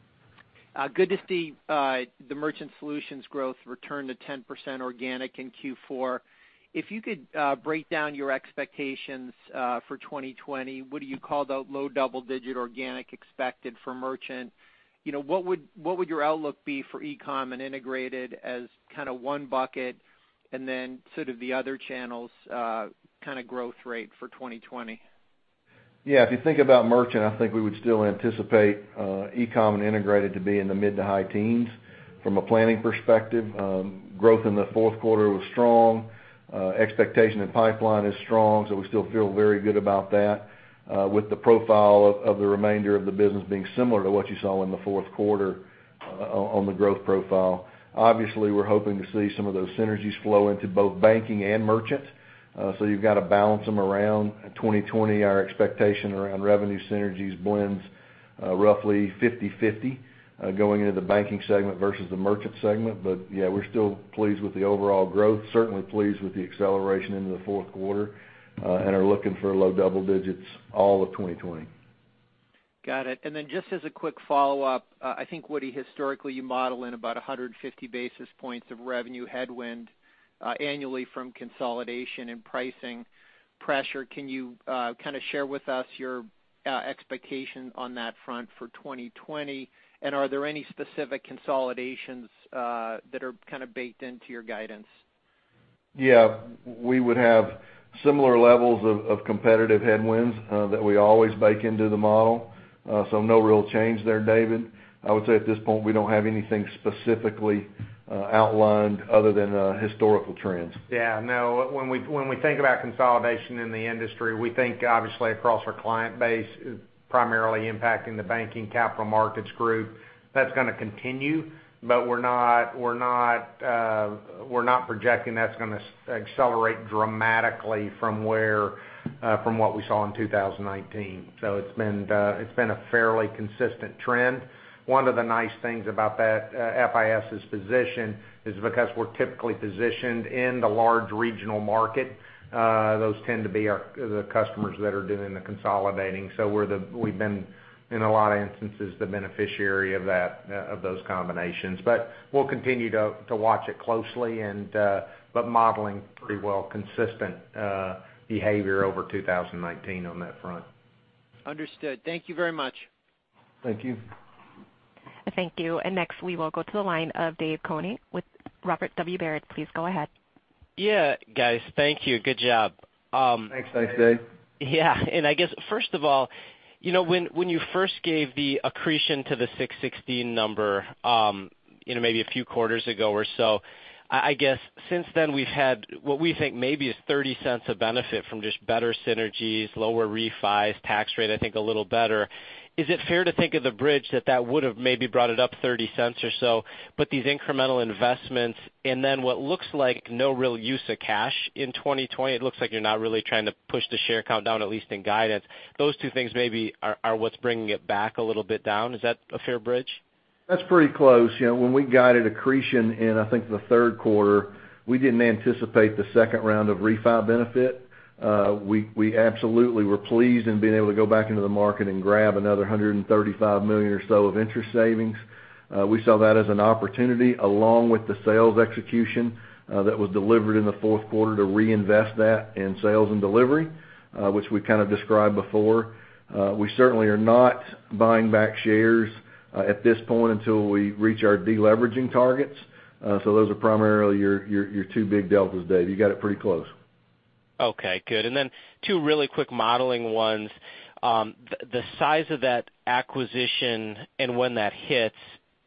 Good to see the merchant solutions growth return to 10% organic in Q4. If you could break down your expectations for 2020, Woody, you called out low double digit organic expected for merchant. What would your outlook be for e-com and integrated as one bucket, and then sort of the other channels growth rate for 2020? If you think about merchant, I think we would still anticipate e-com and integrated to be in the mid to high teens from a planning perspective. Growth in the fourth quarter was strong. Expectation in pipeline is strong, so we still feel very good about that, with the profile of the remainder of the business being similar to what you saw in the fourth quarter on the growth profile. Obviously, we're hoping to see some of those synergies flow into both banking and merchant. You've got to balance them around 2020. Our expectation around revenue synergies blends roughly 50/50 going into the banking segment versus the merchant segment. We're still pleased with the overall growth, certainly pleased with the acceleration into the fourth quarter, and are looking for low double digits all of 2020. Got it, and then just as a quick follow-up, I think, Woody, historically, you model in about 150 basis points of revenue headwind annually from consolidation and pricing pressure. Can you share with us your expectation on that front for 2020? Are there any specific consolidations that are baked into your guidance? Yeah. We would have similar levels of competitive headwinds that we always bake into the model, so no real change there, David. I would say at this point, we don't have anything specifically outlined other than historical trends. Yeah, no, when we think about consolidation in the industry, we think obviously across our client base, primarily impacting the banking capital markets group. That's going to continue. We're not projecting that's going to accelerate dramatically from what we saw in 2019. It's been a fairly consistent trend. One of the nice things about that, FIS' position is because we're typically positioned in the large regional market, those tend to be the customers that are doing the consolidating. We've been, in a lot of instances, the beneficiary of those combinations. We'll continue to watch it closely, but modeling pretty well consistent behavior over 2019 on that front. Understood. Thank you very much. Thank you. Thank you. Next, we will go to the line of David Koning with Robert W. Baird. Please go ahead. Yeah, guys, thank you. Good job. Thanks. Thanks, Dave. Thanks. Yeah. I guess, first of all, when you first gave the accretion to the 616 number maybe a few quarters ago or so, I guess since then we've had what we think maybe is $0.30 of benefit from just better synergies, lower refis, tax rate, I think a little better. Is it fair to think of the bridge that that would've maybe brought it up $0.30 or so, but these incremental investments and then what looks like no real use of cash in 2020, it looks like you're not really trying to push the share count down, at least in guidance, those two things maybe are what's bringing it back a little bit down. Is that a fair bridge? That's pretty close. When we guided accretion in, I think, the third quarter, we didn't anticipate the second round of refi benefit. We absolutely were pleased in being able to go back into the market and grab another $135 million or so of interest savings. We saw that as an opportunity along with the sales execution, that was delivered in the fourth quarter to reinvest that in sales and delivery, which we kind of described before. We certainly are not buying back shares at this point until we reach our de-leveraging targets. Those are primarily your two big deltas, Dave. You got it pretty close. Okay, good, and then two really quick modeling ones. The size of that acquisition and when that hits,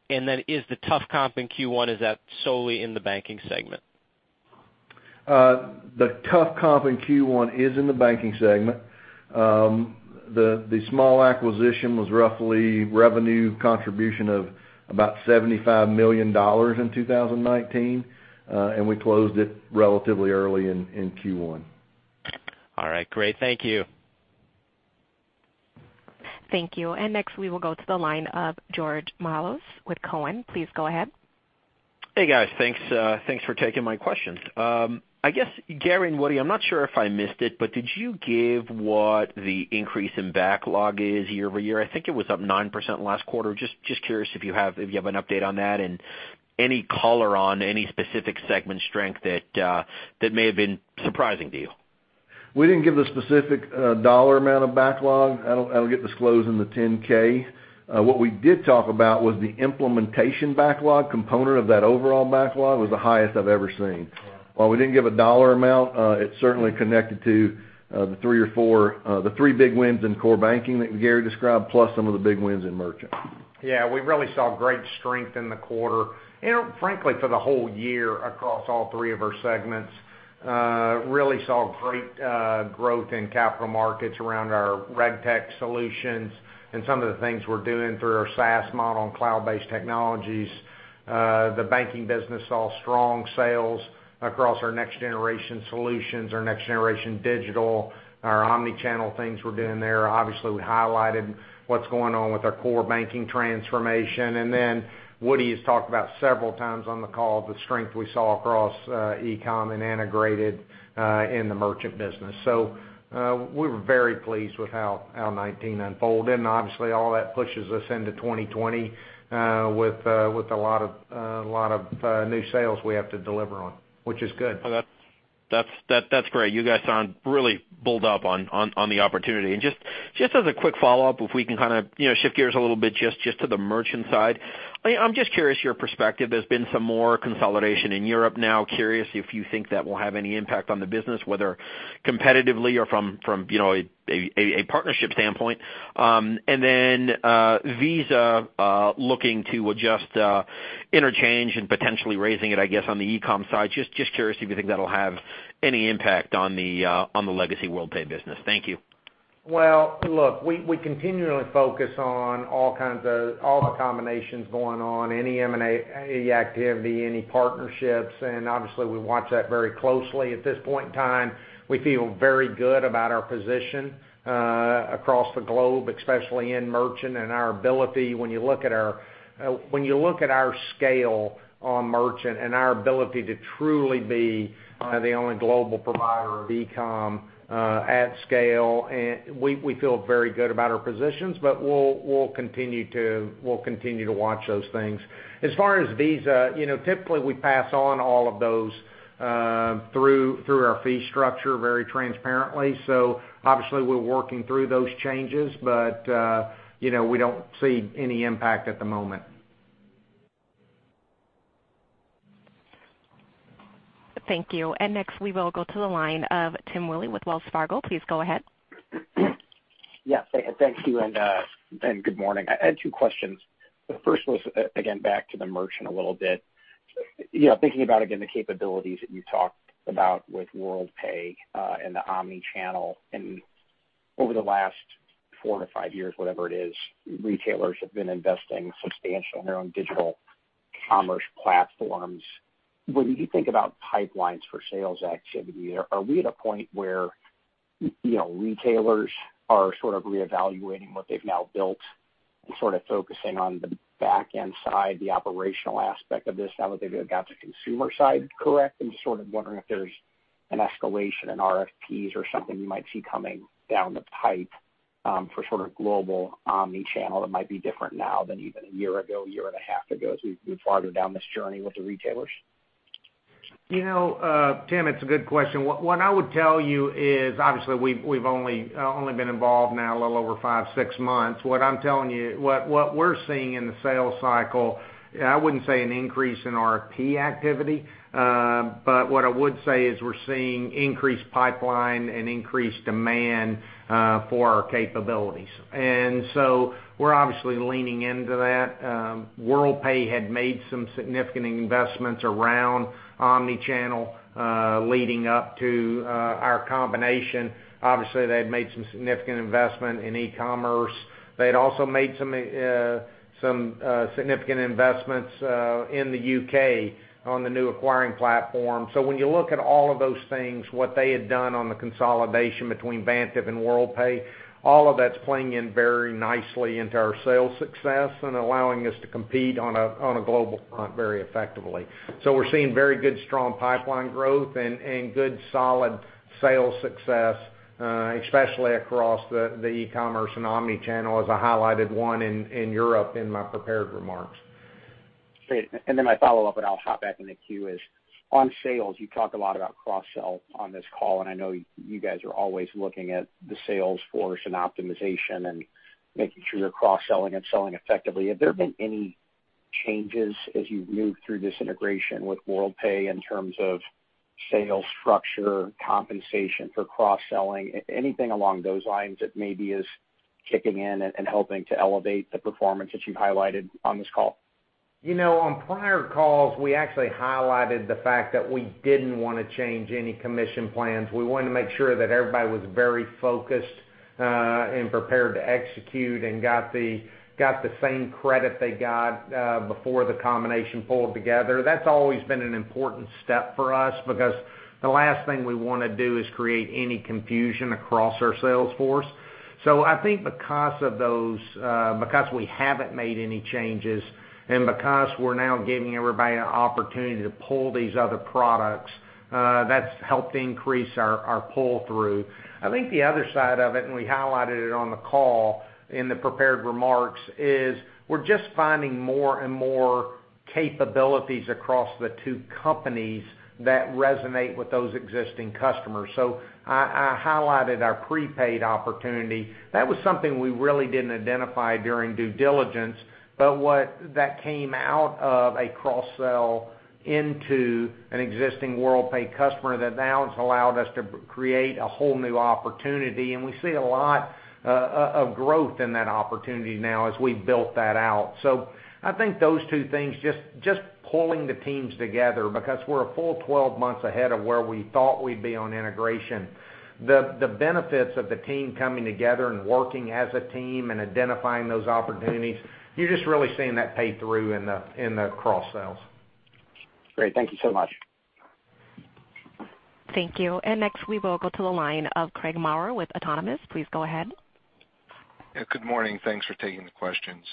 and then is the tough comp in Q1, is that solely in the banking segment? The tough comp in Q1 is in the banking segment. The small acquisition was roughly revenue contribution of about $75 million in 2019 and we closed it relatively early in Q1. All right, great. Thank you. Thank you. Next we will go to the line of George Mihalos with Cowen. Please go ahead. Hey, guys. Thanks for taking my questions. I guess Gary and Woody, I'm not sure if I missed it, but did you give what the increase in backlog is year-over-year? I think it was up 9% last quarter. I'm just curious if you have an update on that and any color on any specific segment strength that may have been surprising to you. We didn't give the specific dollar amount of backlog. That'll get disclosed in the 10-K. What we did talk about was the implementation backlog component of that overall backlog was the highest I've ever seen. While we didn't give a dollar amount, it certainly connected to the three big wins in core banking that Gary described, plus some of the big wins in merchant. Yeah, we really saw great strength in the quarter and frankly for the whole year across all three of our segments, really saw great growth in capital markets around our RegTech solutions, and some of the things we're doing through our SaaS model and cloud-based technologies. The banking business saw strong sales across our next generation solutions, our next generation digital, our omnichannel things we're doing there. Obviously, we highlighted what's going on with our core banking transformation, Woody has talked about several times on the call, the strength we saw across e-com and integrated, in the merchant business. We were very pleased with how 2019 unfolded and, obviously, all that pushes us into 2020, with a lot of new sales we have to deliver on, which is good. That's great. You guys sound really bulled up on the opportunity. Just as a quick follow-up, if we can kind of shift gears a little bit just to the merchant side. I'm just curious your perspective. There's been some more consolidation in Europe now. I'm curious if you think that will have any impact on the business, whether competitively or from a partnership standpoint, and then Visa looking to adjust interchange and potentially raising it, I guess, on the e-com side. I'm just curious if you think that'll have any impact on the legacy Worldpay business. Thank you. Well, look, we continually focus on all the combinations going on, any M&A activity, any partnerships and, obviously, we watch that very closely. At this point in time, we feel very good about our position across the globe, especially in merchant and our ability when you look at our scale on merchant and our ability to truly be the only global provider of e-com, at scale. We feel very good about our positions. We'll continue to watch those things. As far as Visa, you know, typically we pass on all of those through our fee structure very transparently. Obviously we're working through those changes. We don't see any impact at the moment. Thank you. Next we will go to the line of Tim Willi with Wells Fargo. Please go ahead. Yes, thank you, and good morning. I had two questions. The first was, again, back to the merchant a little bit. Thinking about, again, the capabilities that you talked about with Worldpay, and the omnichannel, and over the last four to five years, whatever it is, retailers have been investing substantial in their own digital commerce platforms. When you think about pipelines for sales activity, are we at a point where, you know, retailers are sort of reevaluating what they've now built and sort of focusing on the back-end side, the operational aspect of this now that they've got the consumer side correct? I'm just sort of wondering if there's an escalation in RFPs or something you might see coming down the pipe, for sort of global omnichannel that might be different now than even a year ago, year and a half ago as we move farther down this journey with the retailers. Tim, it's a good question. What I would tell you is, obviously, we've only been involved now a little over five, six months. What we're seeing in the sales cycle, I wouldn't say an increase in RFP activity. What I would say is we're seeing increased pipeline and increased demand for our capabilities and so we're obviously leaning into that. Worldpay had made some significant investments around omnichannel leading up to our combination. Obviously, they had made some significant investment in e-commerce. They had also made some significant investments in the U.K. on the new acquiring platform. When you look at all of those things, what they had done on the consolidation between Vantiv and Worldpay, all of that's playing in very nicely into our sales success and allowing us to compete on a global front very effectively. We're seeing very good, strong pipeline growth and good solid sales success, especially across the e-commerce and omnichannel, as I highlighted one in Europe in my prepared remarks. Great, and then my follow-up, and I'll hop back in the queue, is on sales, you talk a lot about cross-sell on this call, and I know you guys are always looking at the sales force and optimization and making sure you're cross-selling and selling effectively. Have there been any changes as you've moved through this integration with Worldpay in terms of sales structure, compensation for cross-selling? Anything along those lines that maybe is kicking in and helping to elevate the performance that you've highlighted on this call? On prior calls, we actually highlighted the fact that we didn't want to change any commission plans. We wanted to make sure that everybody was very focused, and prepared to execute and got the same credit they got before the combination pulled together. That's always been an important step for us because the last thing we want to do is create any confusion across our sales force. I think because we haven't made any changes, and because we're now giving everybody an opportunity to pull these other products, that's helped increase our pull-through. I think the other side of it, and we highlighted it on the call in the prepared remarks, is we're just finding more and more capabilities across the two companies that resonate with those existing customers. I highlighted our prepaid opportunity. That was something we really didn't identify during due diligence, but what that came out of a cross-sell into an existing Worldpay customer that now it's allowed us to create a whole new opportunity, and we see a lot of growth in that opportunity now as we built that out. I think those two things, just pulling the teams together because we're a full 12 months ahead of where we thought we'd be on integration. The benefits of the team coming together and working as a team and identifying those opportunities, you're just really seeing that pay through in the cross-sells. Great. Thank you so much. Thank you and next we will go to the line of Craig Maurer with Autonomous. Please go ahead. Yeah, good morning. Thanks for taking the questions.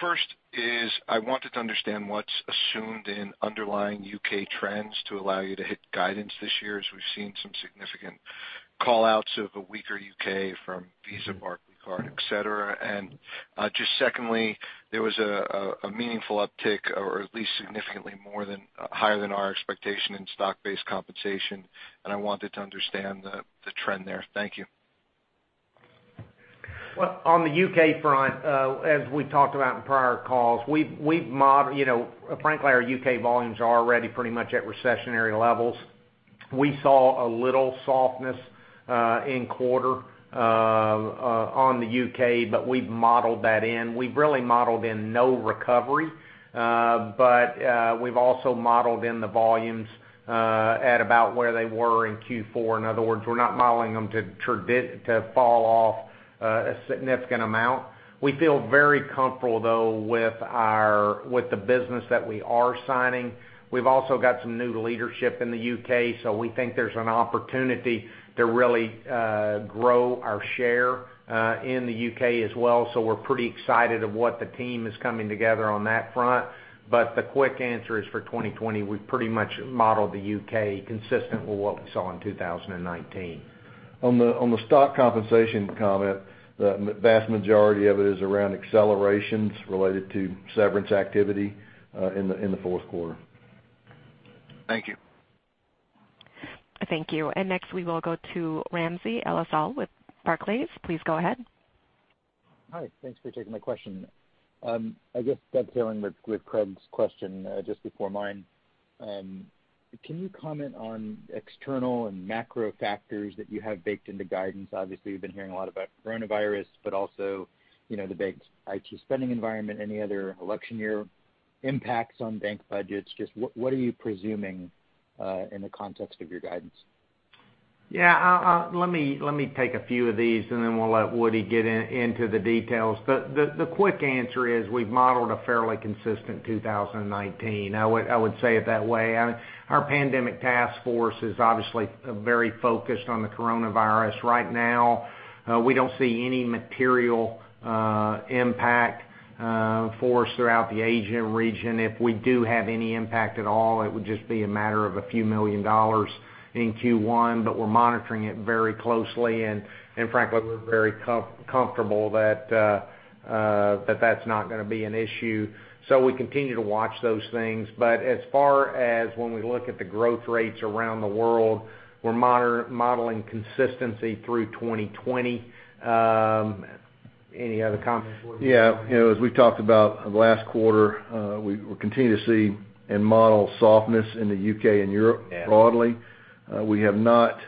First is, I wanted to understand what's assumed in underlying U.K. trends to allow you to hit guidance this year, as we've seen some significant call-outs of a weaker U.K. from Visa, Barclaycard, et cetera, and just secondly, there was a meaningful uptick or at least significantly more than, higher than our expectation in stock-based compensation, and I wanted to understand the trend there. Thank you. Well, on the U.K. front, as we talked about in prior calls, frankly, our U.K. volumes are already pretty much at recessionary levels. We saw a little softness in quarter on the U.K., we've modeled that in. We've really modeled in no recovery, but we've also modeled in the volumes, at about where they were in Q4. In other words, we're not modeling them to fall off a significant amount. We feel very comfortable, though, with the business that we are signing. We've also got some new leadership in the U.K., we think there's an opportunity to really grow our share in the U.K. as well. We're pretty excited of what the team is coming together on that front, but the quick answer is for 2020, we've pretty much modeled the U.K. consistent with what we saw in 2019. On the stock compensation comment, the vast majority of it is around accelerations related to severance activity in the fourth quarter. Thank you. Thank you. Next we will go to Ramsey El-Assal with Barclays. Please go ahead. Hi. Thanks for taking my question. I guess dovetailing with Craig's question just before mine, can you comment on external and macro factors that you have baked into guidance? Obviously, we've been hearing a lot about coronavirus, but also the bank's IT spending environment, any other election year impacts on bank budgets, just what are you presuming, in the context of your guidance? Yeah. Let me take a few of these and then we'll let Woody get into the details. The quick answer is we've modeled a fairly consistent 2019. I would say it that way. Our pandemic task force is obviously very focused on the coronavirus right now. We don't see any material impact for us throughout the Asian region. If we do have any impact at all, it would just be a matter of a few million dollars in Q1, but we're monitoring it very closely, and frankly, we're very comfortable that that's not going to be an issue. We continue to watch those things. As far as when we look at the growth rates around the world, we're modeling consistency through 2020. Any other comments, Woody? Yeah. As we've talked about last quarter, we're continuing to see and model softness in the U.K. and Europe broadly. Yeah. We have not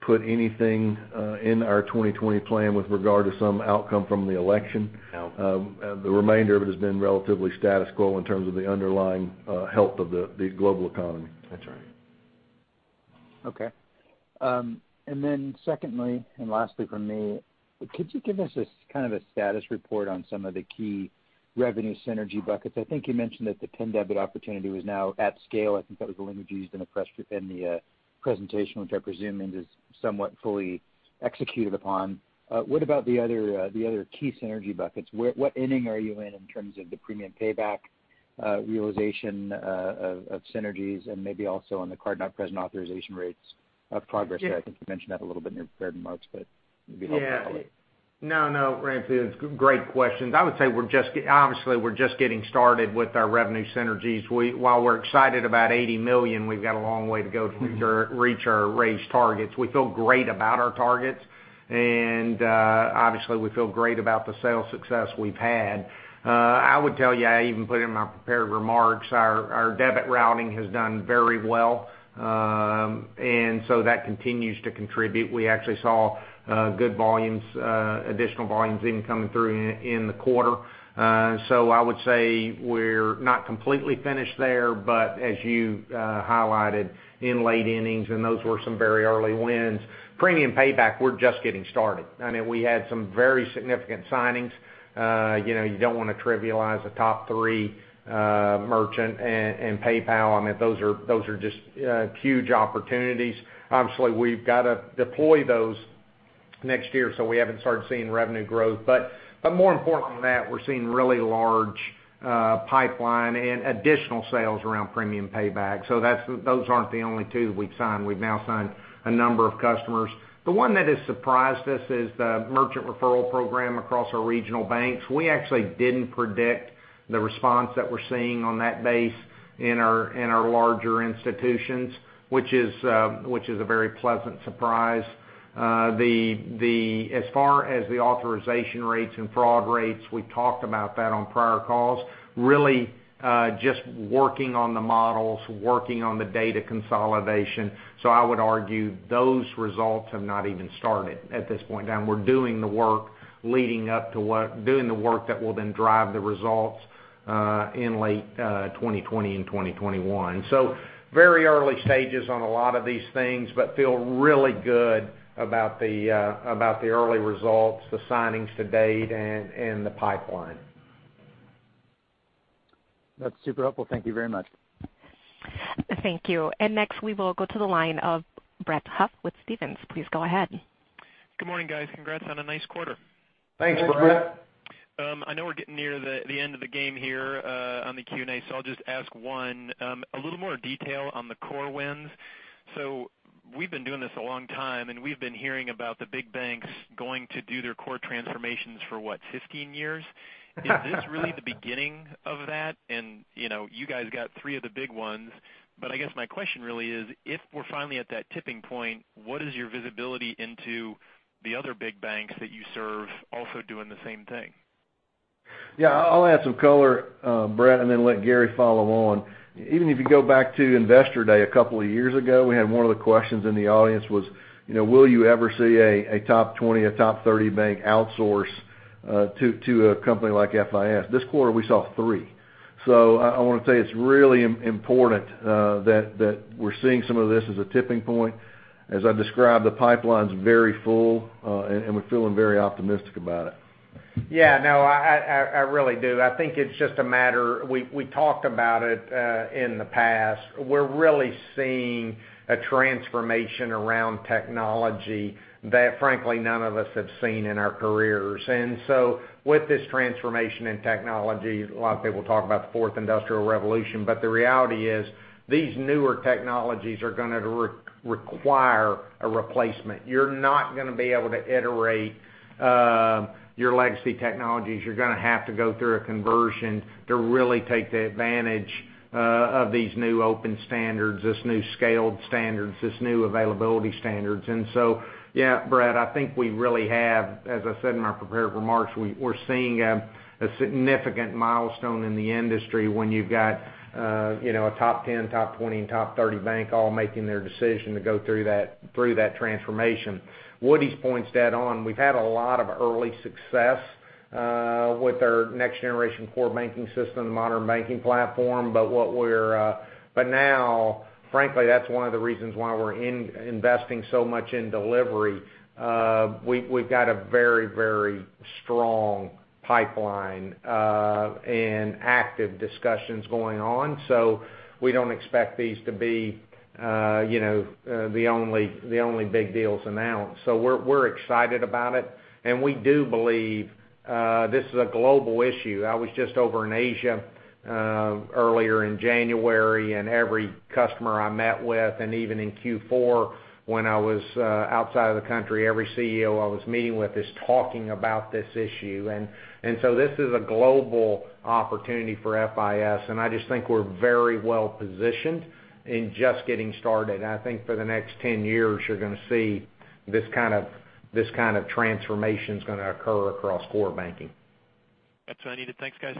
put anything in our 2020 plan with regard to some outcome from the election. No. The remainder of it has been relatively status quo in terms of the underlying health of the global economy. That's right. Okay, and then secondly, and lastly from me, could you give us a status report on some of the key revenue synergy buckets? I think you mentioned that the PIN debit opportunity was now at scale. I think that was the language used in the presentation, which I presume means it's somewhat fully executed upon. What about the other key synergy buckets? What inning are you in terms of the Premium Payback, realization of synergies, and maybe also on the card-not-present authorization rates of progress there? I think you mentioned that a little bit in your prepared remarks, but it'd be helpful. Yeah. No, no, Ramsey, that's great questions. I would say, obviously, we're just getting started with our revenue synergies. While we're excited about $80 million, we've got a long way to go to reach our raised targets. We feel great about our targets and, obviously, we feel great about the sales success we've had. I would tell you, I even put it in my prepared remarks, our debit routing has done very well. That continues to contribute. We actually saw good volumes, additional volumes even coming through in the quarter. I would say we're not completely finished there, but as you highlighted, in late innings, and those were some very early wins. Premium Payback, we're just getting started. We had some very significant signings. You don't want to trivialize a top three merchant and PayPal. Those are just huge opportunities. We've got to deploy those next year. We haven't started seeing revenue growth. More important than that, we're seeing really large pipeline and additional sales around Premium Payback. Those aren't the only two that we've signed. We've now signed a number of customers. The one that has surprised us is the merchant referral program across our regional banks. We actually didn't predict the response that we're seeing on that base in our larger institutions, which is a very pleasant surprise. As far as the authorization rates and fraud rates, we talked about that on prior calls, really, just working on the models, working on the data consolidation. I would argue those results have not even started at this point in time. We're doing the work that will drive the results in late 2020 and 2021. Very early stages on a lot of these things, but feel really good about the early results, the signings to date, and the pipeline. That's super helpful. Thank you very much. Thank you and next, we will go to the line of Brett Huff with Stephens. Please go ahead. Good morning, guys. Congrats on a nice quarter. Thanks, Brett. I know we're getting near the end of the game here on the Q&A, so I'll just ask one. A little more detail on the core wins. We've been doing this a long time, and we've been hearing about the big banks going to do their core transformations for what, 15 years? Is this really the beginning of that? And you guys got three of the big ones. I guess my question really is, if we're finally at that tipping point, what is your visibility into the other big banks that you serve also doing the same thing? Yeah, I'll add some color, Brett, and then let Gary follow on. Even if you go back to Investor Day a couple of years ago, we had one of the questions in the audience was, you know, "Will you ever see a top 20, a top 30 bank outsource to a company like FIS?" This quarter, we saw three. I want to say it's really important that we're seeing some of this as a tipping point. As I described, the pipeline is very full, and we're feeling very optimistic about it. Yeah, I really do. I think it's just we talked about it in the past. We're really seeing a transformation around technology that, frankly, none of us have seen in our careers. With this transformation in technology, a lot of people talk about the Fourth Industrial Revolution, but the reality is, these newer technologies are going to require a replacement. You're not going to be able to iterate your legacy technologies. You're going to have to go through a conversion to really take the advantage of these new open standards, this new scaled standards, this new availability standards. Yeah, Brett, I think we really have, as I said in our prepared remarks, we're seeing a significant milestone in the industry when you've got a top 10, top 20, and top 30 bank all making their decision to go through that transformation. Woody's points dead on. We've had a lot of early success with our next-generation core banking system and Modern Banking Platform. Now, frankly, that's one of the reasons why we're investing so much in delivery. We've got a very strong pipeline and active discussions going on. We don't expect these to be, you know, the only big deals announced. We're excited about it, and we do believe this is a global issue. I was just over in Asia earlier in January, and every customer I met with, and even in Q4 when I was outside of the country, every CEO I was meeting with is talking about this issue. This is a global opportunity for FIS, and I just think we're very well positioned and just getting started. I think for the next 10 years, you're going to see this kind of transformation is going to occur across core banking. That's what I needed. Thanks, guys.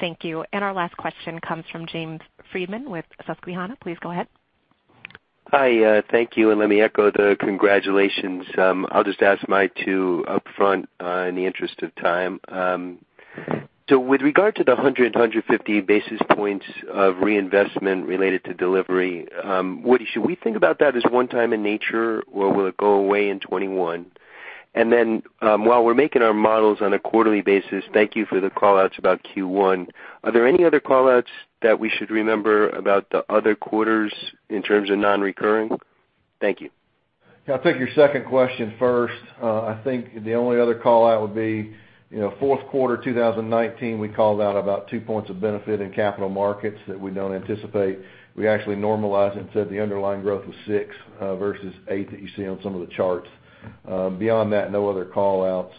Thank you. Our last question comes from James Friedman with Susquehanna. Please go ahead. Hi, thank you, and let me echo the congratulations. I'll just ask mine to upfront in the interest of time. With regard to the 100 basis points, 150 basis points of reinvestment related to delivery, Woody, should we think about that as one time in nature, or will it go away in 2021? Then while we're making our models on a quarterly basis, thank you for the call-outs about Q1. Are there any other call-outs that we should remember about the other quarters in terms of non-recurring? Thank you. Yeah, I'll take your second question first. I think the only other call-out would be fourth quarter 2019, we called out about two points of benefit in capital markets that we don't anticipate. We actually normalized and said the underlying growth was six versus eight that you see on some of the charts. Beyond that, no other call-outs.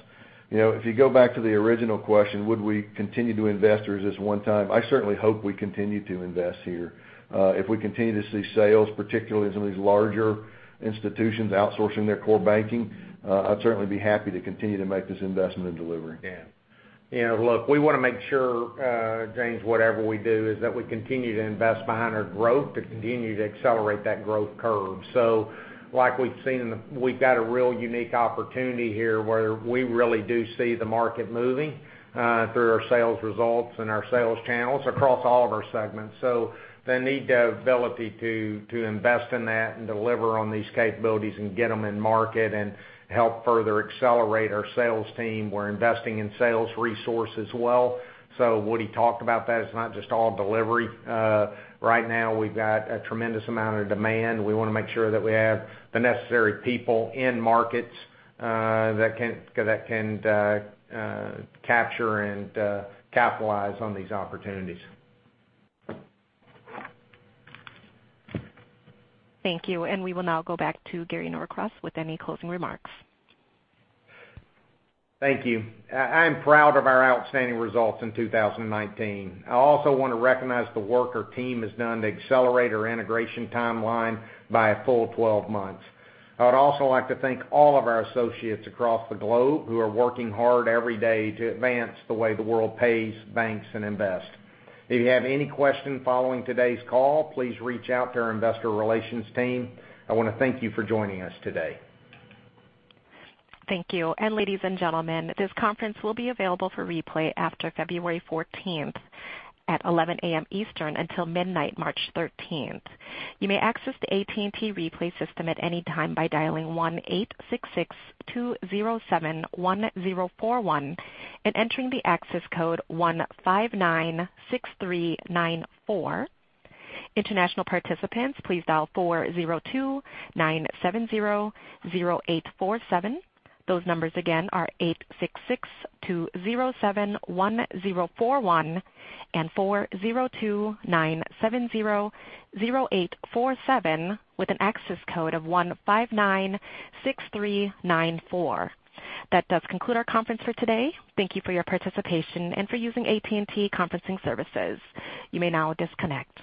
If you go back to the original question, would we continue to invest or is this one time? I certainly hope we continue to invest here. If we continue to see sales, particularly some of these larger institutions outsourcing their core banking, I'd certainly be happy to continue to make this investment in delivery. Yeah. Look, we want to make sure, James, whatever we do, is that we continue to invest behind our growth to continue to accelerate that growth curve. Like we've seen, we've got a real unique opportunity here, where we really do see the market moving through our sales results and our sales channels across all of our segments. The need, the ability to invest in that and deliver on these capabilities and get them in market and help further accelerate our sales team. We're investing in sales resource as well. Woody talked about that. It's not just all delivery. Right now, we've got a tremendous amount of demand. We want to make sure that we have the necessary people in markets that can capture and capitalize on these opportunities. Thank you and we will now go back to Gary Norcross with any closing remarks. Thank you. I am proud of our outstanding results in 2019. I also want to recognize the work our team has done to accelerate our integration timeline by a full 12 months. I would also like to thank all of our associates across the globe who are working hard every day to advance the way the world pays, banks, and invests. If you have any questions following today's call, please reach out to our investor relations team. I want to thank you for joining us today. Thank you. And ladies and gentlemen, this conference will be available for replay after February 14th at 11:00 A.M. Eastern until midnight, March 13th. You may access the AT&T replay system at any time by dialing 1-866-207-1041 and entering the access code 1596394. International participants, please dial 402-970-0847. Those numbers again are 866-207-1041 and 402-970-0847 with an access code of 1596394. That does conclude our conference for today. Thank you for your participation and for using AT&T conferencing services. You may now disconnect.